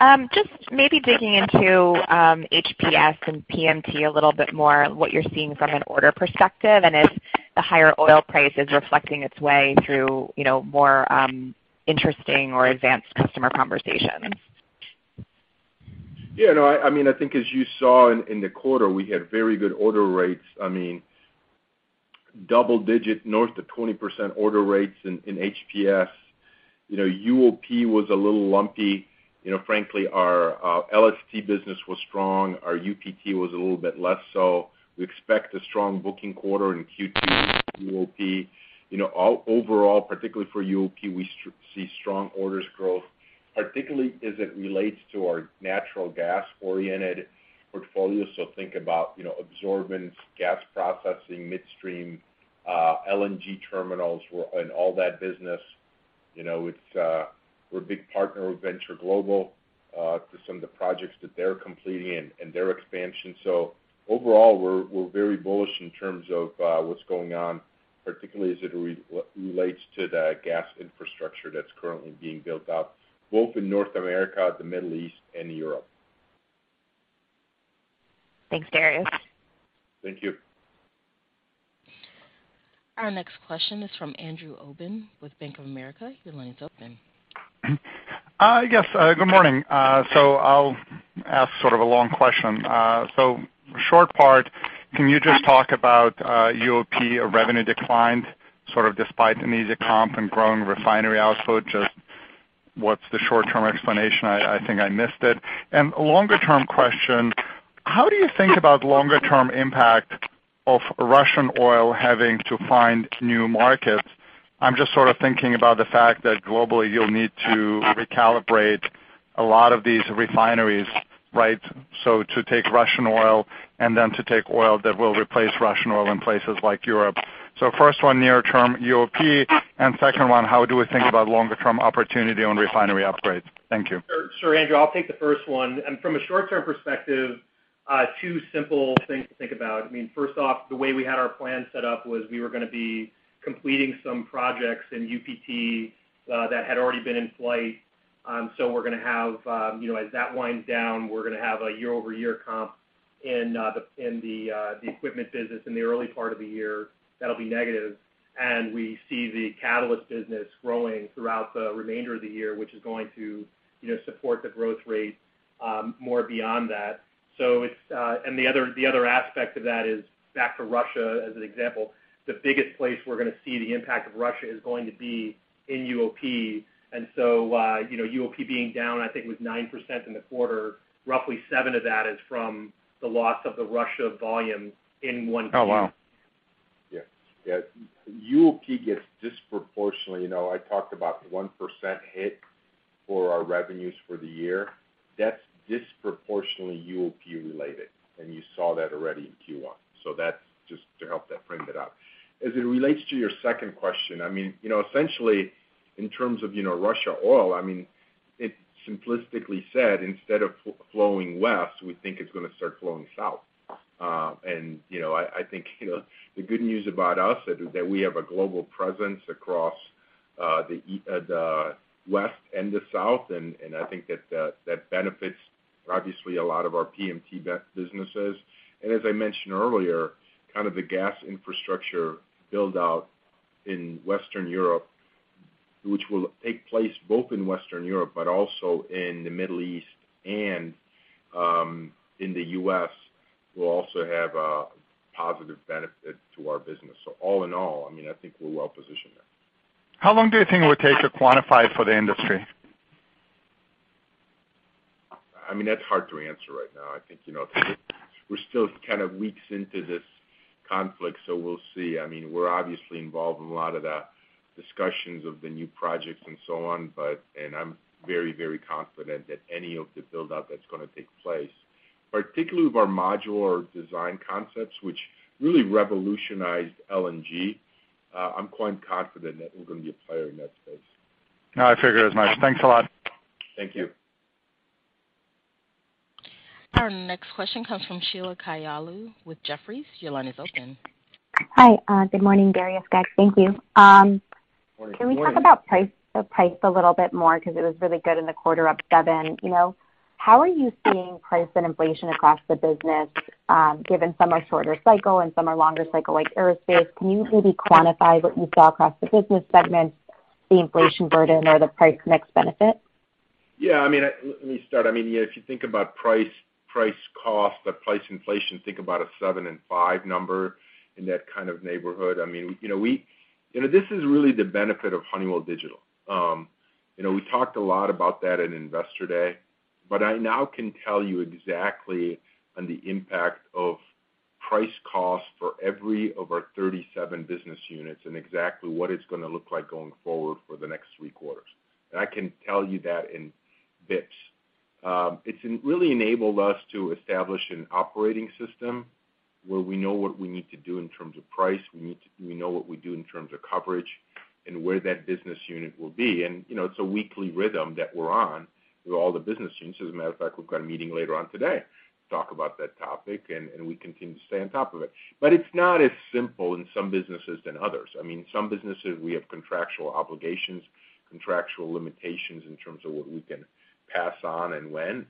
morning. Just maybe digging into HPS and PMT a little bit more, what you're seeing from an order perspective, and if the higher oil price is reflecting its way through, you know, more interesting or advanced customer conversations? Yeah, no. I mean, I think as you saw in the quarter, we had very good order rates. I mean, double-digit north of 20% order rates in HPS. You know, UOP was a little lumpy. You know, frankly, our STS business was strong. Our UOP was a little bit less so. We expect a strong booking quarter in Q2 for UOP. You know, overall, particularly for UOP, we see strong orders growth, particularly as it relates to our natural gas-oriented portfolio. Think about, you know, absorbents, gas processing, midstream, LNG terminals and all that business. You know, it's, we're a big partner with Venture Global, for some of the projects that they're completing and their expansion. Overall, we're very bullish in terms of what's going on, particularly as it relates to the gas infrastructure that's currently being built out, both in North America, the Middle East, and Europe. Thanks, Darius. Thank you. Our next question is from Andrew Obin with Bank of America. Your line is open. Yes, good morning. I'll ask sort of a long question. Short part, can you just talk about UOP revenue declined, sort of despite an easy comp and growing refinery output? Just what's the short-term explanation? I think I missed it. A longer-term question, how do you think about longer-term impact of Russian oil having to find new markets? I'm just sort of thinking about the fact that globally you'll need to recalibrate a lot of these refineries, right? First one, near term UOP, and second one, how do we think about longer-term opportunity on refinery upgrades? Thank you. Sure, sure, Andrew Obin, I'll take the first one. From a short-term perspective, two simple things to think about. I mean, first off, the way we had our plan set up was we were gonna be completing some projects in UOP that had already been in flight. So we're gonna have, you know, as that winds down, we're gonna have a year-over-year comp in the equipment business in the early part of the year that'll be negative. We see the catalyst business growing throughout the remainder of the year, which is going to, you know, support the growth rate, more beyond that. The other aspect of that is, back to Russia as an example, the biggest place we're gonna see the impact of Russia is going to be in UOP. UOP being down, I think it was 9% in the quarter, roughly 7% of that is from the loss of the Russia volume in one piece. Oh, wow. Yeah. UOP gets disproportionately. You know, I talked about 1% hit for our revenues for the year. That's disproportionately UOP related, and you saw that already in Q1. That's just to help frame it out. As it relates to your second question, I mean, you know, essentially in terms of, you know, Russian oil, I mean, it simplistically said, instead of flowing west, we think it's gonna start flowing south. And, you know, I think, you know, the good news about us is that we have a global presence across the west and the south, and I think that benefits obviously a lot of our PMT businesses. As I mentioned earlier, kind of the gas infrastructure build-out in Western Europe, which will take place both in Western Europe but also in the Middle East and, in the U.S., will also have a positive benefit to our business. All in all, I mean, I think we're well positioned there. How long do you think it would take to quantify for the industry? I mean, that's hard to answer right now. I think, you know, we're still kind of weeks into this conflict, so we'll see. I mean, we're obviously involved in a lot of the discussions of the new projects and so on, but. I'm very, very confident that any of the build-out that's gonna take place, particularly with our modular design concepts, which really revolutionized LNG. I'm quite confident that we're gonna be a player in that space. No, I figured as much. Thanks a lot. Thank you. Next question comes from Sheila Kahyaoglu with Jefferies. Your line is open. Hi. Good morning, Darius, guys. Thank you. Can we talk about price a little bit more because it was really good in the quarter up 7%. You know, how are you seeing price and inflation across the business, given some are shorter cycle and some are longer cycle like aerospace. Can you maybe quantify what you saw across the business segments, the inflation burden or the price mix benefit? Yeah, I mean, let me start. I mean, if you think about price cost or price inflation, think about a seven and five number in that kind of neighborhood. I mean, you know, you know, this is really the benefit of Honeywell Digital. You know, we talked a lot about that in Investor Day, but I now can tell you exactly on the impact of price cost for every of our 37 business units and exactly what it's gonna look like going forward for the next three quarters. I can tell you that in bits. It's really enabled us to establish an operating system where we know what we need to do in terms of price. We know what we do in terms of coverage and where that business unit will be. You know, it's a weekly rhythm that we're on through all the business units. As a matter of fact, we've got a meeting later on today to talk about that topic, and we continue to stay on top of it. But it's not as simple in some businesses than others. I mean, some businesses, we have contractual obligations, contractual limitations in terms of what we can pass on and when.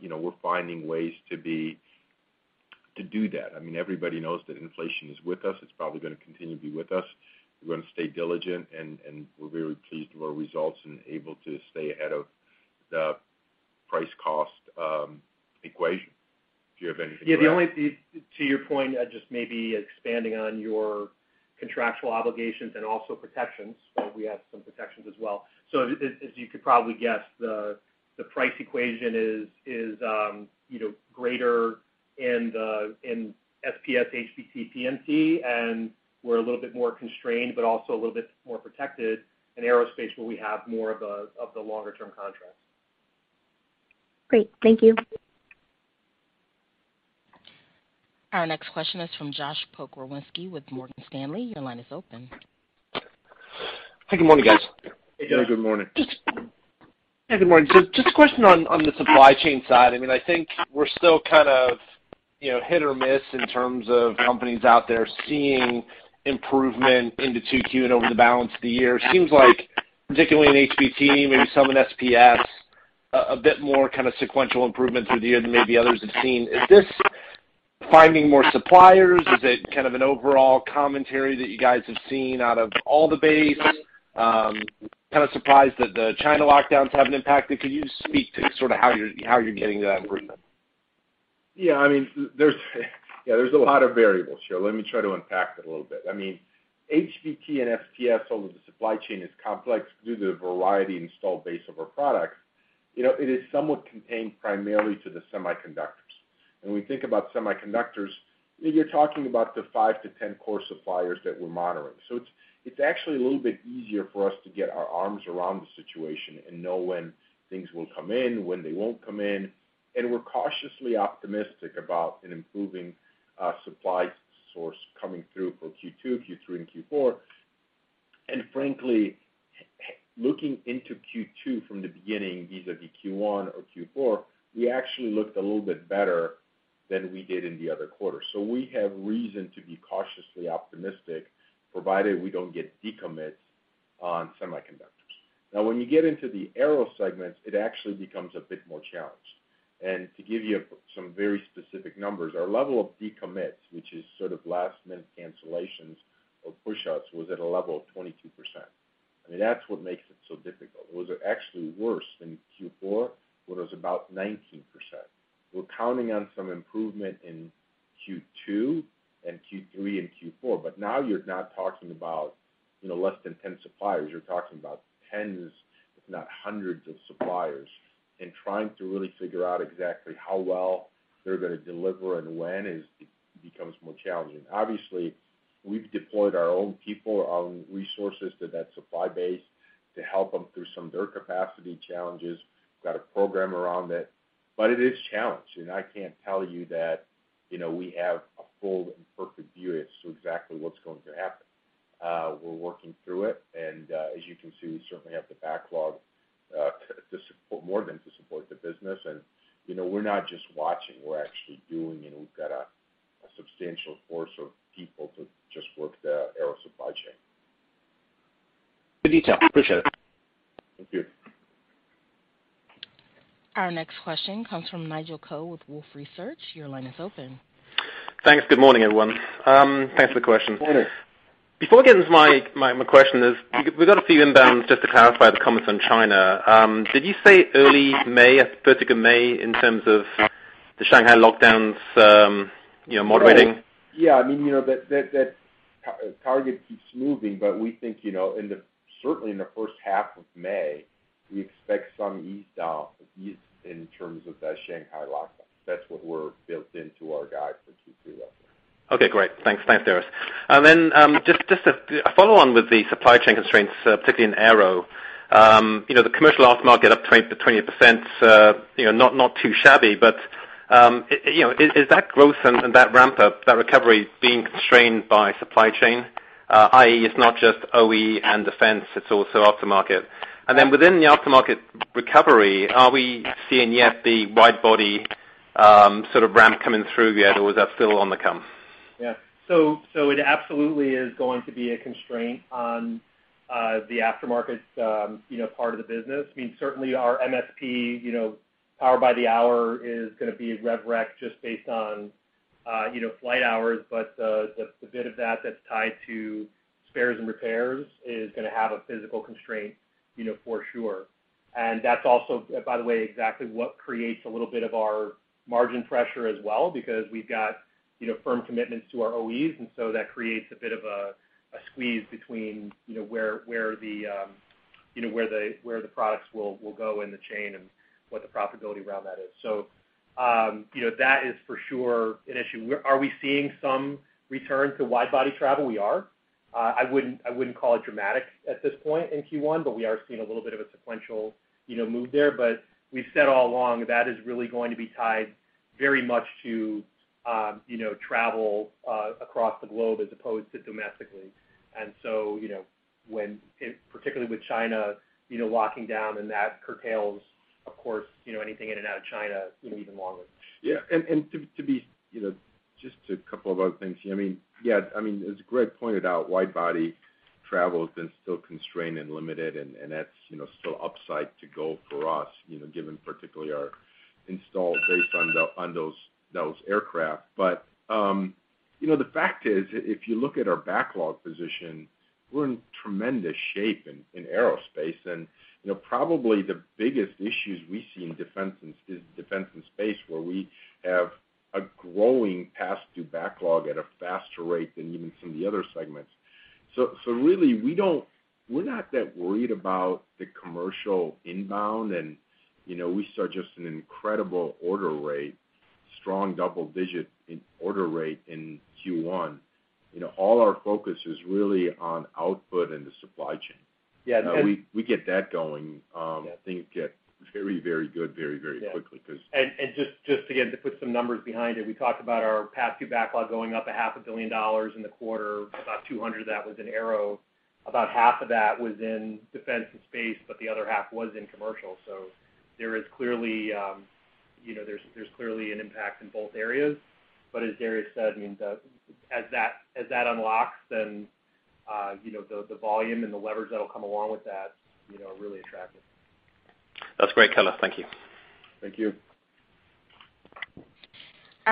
You know, we're finding ways to do that. I mean, everybody knows that inflation is with us. It's probably gonna continue to be with us. We're gonna stay diligent, and we're very pleased with our results and able to stay ahead of the price cost equation. Do you have anything to add? Yeah, to your point, just maybe expanding on your contractual obligations and also protections, but we have some protections as well. As you could probably guess, the price equation is greater in SPS, HBT, PMT, and we're a little bit more constrained, but also a little bit more protected in aerospace, where we have more of the longer term contracts. Great. Thank you. Our next question is from Josh Pokrzywinski with Morgan Stanley. Your line is open. Hi, good morning, guys. Hey, Josh. Good morning. Hey, good morning. Just a question on the supply chain side. I mean, I think we're still kind of, you know, hit or miss in terms of companies out there seeing improvement into 2Q and over the balance of the year. Seems like, particularly in HBT, maybe some in SPS, a bit more kind of sequential improvement through the year than maybe others have seen. Is this finding more suppliers? Is it kind of an overall commentary that you guys have seen out of all the buzz? Kind of surprised that the China lockdowns have an impact, but could you speak to sort of how you're getting that improvement? Yeah, I mean, there's, yeah, there's a lot of variables here. Let me try to unpack it a little bit. I mean, HBT and SPS, although the supply chain is complex due to the variety installed base of our products, you know, it is somewhat contained primarily to the semiconductors. When we think about semiconductors, you're talking about the five-10 core suppliers that we're monitoring. So it's actually a little bit easier for us to get our arms around the situation and know when things will come in, when they won't come in, and we're cautiously optimistic about an improving supply source coming through for Q2, Q3, and Q4. Frankly, looking into Q2 from the beginning, vis-à-vis Q1 or Q4, we actually looked a little bit better than we did in the other quarter. We have reason to be cautiously optimistic, provided we don't get decommits on semiconductors. Now when you get into the aero segments, it actually becomes a bit more challenged. To give you some very specific numbers, our level of decommits, which is sort of last minute cancellations or pushouts, was at a level of 22%. I mean, that's what makes it so difficult. It was actually worse than Q4, where it was about 19%. We're counting on some improvement in Q2 and Q3 and Q4. Now you're not talking about, you know, less than 10 suppliers. You're talking about tens, if not hundreds of suppliers. Trying to really figure out exactly how well they're gonna deliver and when it becomes more challenging. Obviously, we've deployed our own people, our own resources to that supply base to help them through some of their capacity challenges. We've got a program around it. It is challenged, and I can't tell you that, you know, we have a full and perfect view as to exactly what's going to happen. We're working through it, and as you can see, we certainly have the backlog more than to support the business. You know, we're not just watching. We're actually doing, and we've got a substantial force of people to just work the aero supply chain. Good detail. Appreciate it. Thank you. Our next question comes from Nigel Coe with Wolfe Research. Your line is open. Thanks. Good morning, everyone. Thanks for the question. Morning. Before I get into my question is, we've got a few inbounds just to clarify the comments on China. Did you say early May, I think particularly May, in terms of the Shanghai lockdowns, you know, moderating? Yeah. I mean, you know, that target keeps moving, but we think, you know, certainly in the first half of May, we expect some ease down, ease in terms of that Shanghai lockdown. That's what we're built into our guide for Q3 right now. Okay, great. Thanks. Thanks, Darius. Then, just a follow on with the supply chain constraints, particularly in aero. You know, the commercial aftermarket up 20%-20%, you know, not too shabby, but you know, is that growth and that ramp up, that recovery being constrained by supply chain? I.e., it's not just OE and defense, it's also aftermarket. Then within the aftermarket recovery, are we seeing yet the wide body sort of ramp coming through yet, or is that still on the come? It absolutely is going to be a constraint on the aftermarket's part of the business. Certainly our MSP power by the hour is gonna be rev rec just based on flight hours. The bit of that that's tied to spares and repairs is gonna have a physical constraint for sure. That's also, by the way, exactly what creates a little bit of our margin pressure as well because we've got firm commitments to our OEs, and so that creates a bit of a squeeze between where the products will go in the chain and what the profitability around that is. That is for sure an issue. Are we seeing some return to wide body travel? We are. I wouldn't call it dramatic at this point in Q1, but we are seeing a little bit of a sequential, you know, move there. We've said all along, that is really going to be tied very much to, you know, travel across the globe as opposed to domestically. You know, when it particularly with China, you know, locking down and that curtails, of course, you know, anything in and out of China, you know, even longer. Yeah. To be you know just a couple of other things. I mean, as Greg pointed out, wide-body travel has been still constrained and limited, and that's you know still upside to go for us, you know, given particularly our installed base on those aircraft. You know the fact is if you look at our backlog position, we're in tremendous shape in aerospace. You know probably the biggest issues we see in defense and space where we have a growing pass-through backlog at a faster rate than even some of the other segments. Really we don't, we're not that worried about the commercial inbound, you know, and we saw just an incredible order rate, strong double-digit order rate in Q1. You know, all our focus is really on output and the supply chain. Yeah, no. You know, we get that going. Yeah Things get very, very good very, very quickly because. Just again, to put some numbers behind it, we talked about our pass-through backlog going up half a billion dollars in the quarter, about $200 million, that was in aero. About half of that was in defense and space, but the other half was in commercial. There is clearly, you know, there's clearly an impact in both areas. But as Darius said, I mean, as that unlocks, then, you know, the volume and the levers that'll come along with that, you know, are really attractive. That's great color. Thank you. Thank you.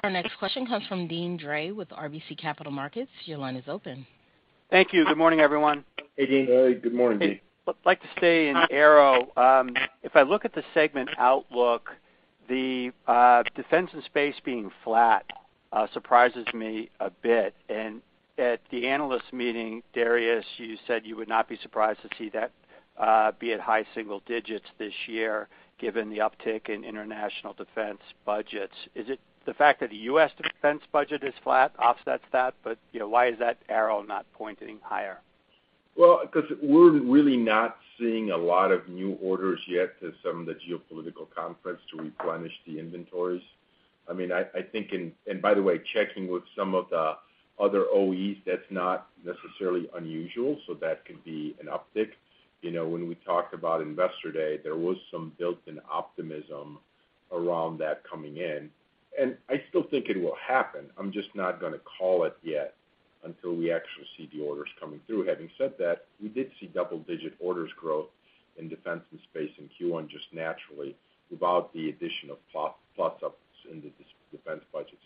Our next question comes from Deane Dray with RBC Capital Markets. Your line is open. Thank you. Good morning, everyone. Hey, Deane. Hey, good morning, Deane. I'd like to stay in Aero. If I look at the segment outlook, the defense and space being flat surprises me a bit. At the analyst meeting, Darius, you said you would not be surprised to see that be at high single digits this year given the uptick in international defense budgets. Is it the fact that the U.S. defense budget is flat offsets that, but, you know, why is that Aero not pointing higher? Well, because we're really not seeing a lot of new orders yet due to some of the geopolitical conflicts to replenish the inventories. I mean, I think. By the way, checking with some of the other OEs, that's not necessarily unusual, so that could be an uptick. You know, when we talked about Investor Day, there was some built-in optimism around that coming in, and I still think it will happen. I'm just not gonna call it yet until we actually see the orders coming through. Having said that, we did see double-digit orders growth in defense and space in Q1 just naturally without the addition of pluses in the defense budgets.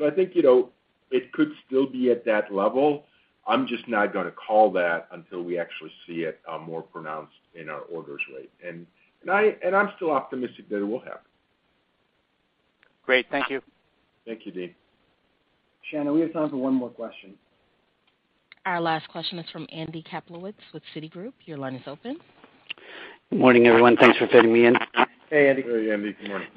I think, you know, it could still be at that level. I'm just not gonna call that until we actually see it more pronounced in our orders rate. I'm still optimistic that it will happen. Great. Thank you. Thank you, Deane. Shannon, we have time for one more question. Our last question is from Andy Kaplowitz with Citigroup. Your line is open. Good morning, everyone. Thanks for fitting me in. Hey, Andy. Hey, Andy. Good morning.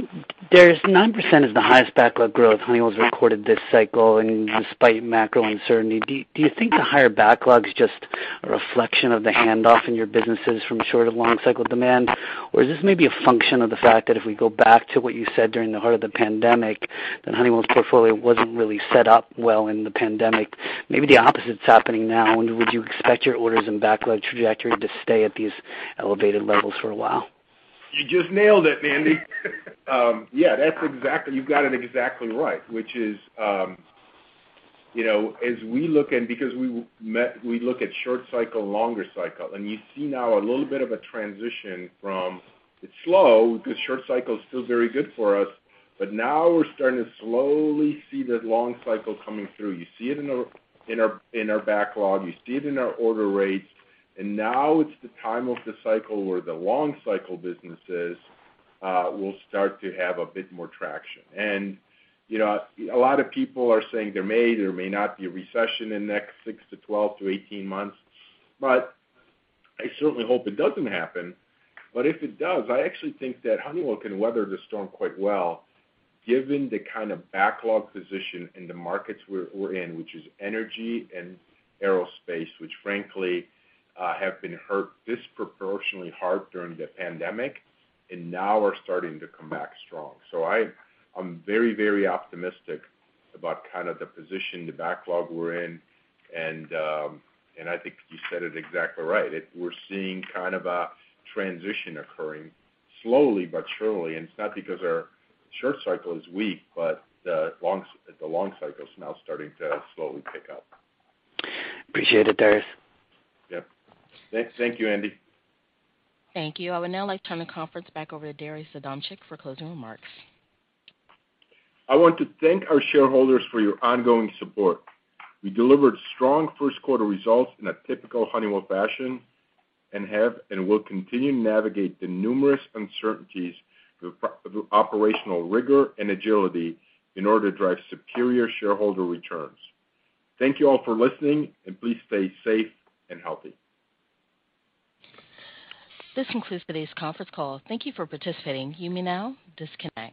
There's 9%, the highest backlog growth Honeywell's recorded this cycle and despite macro uncertainty. Do you think the higher backlog's just a reflection of the handoff in your businesses from short to long cycle demand? Or is this maybe a function of the fact that if we go back to what you said during the heart of the pandemic, that Honeywell's portfolio wasn't really set up well in the pandemic, maybe the opposite's happening now, and would you expect your orders and backlog trajectory to stay at these elevated levels for a while? You just nailed it, Andy. Yeah, that's exactly, you've got it exactly right, which is, you know, as we look at, we look at short cycle, longer cycle, and you see now a little bit of a transition from it's slow because short cycle is still very good for us. Now we're starting to slowly see the long cycle coming through. You see it in our backlog, you see it in our order rates, and now it's the time of the cycle where the long cycle businesses will start to have a bit more traction. You know, a lot of people are saying there may not be a recession in next six to 12 to 18 months, but I certainly hope it doesn't happen. If it does, I actually think that Honeywell can weather the storm quite well, given the kind of backlog position in the markets we're in, which is energy and aerospace, which frankly have been hurt disproportionately hard during the pandemic and now are starting to come back strong. I'm very, very optimistic about kind of the position, the backlog we're in. I think you said it exactly right. We're seeing kind of a transition occurring slowly but surely, and it's not because our short cycle is weak, but the long cycle is now starting to slowly pick up. Appreciate it, Darius. Yep. Thank you, Andy? Thank you. I would now like to turn the conference back over to Darius Adamczyk for closing remarks. I want to thank our shareholders for your ongoing support. We delivered strong first quarter results in a typical Honeywell fashion, and have and will continue to navigate the numerous uncertainties through operational rigor and agility in order to drive superior shareholder returns. Thank you all for listening, and please stay safe and healthy. This concludes today's conference call. Thank you for participating. You may now disconnect.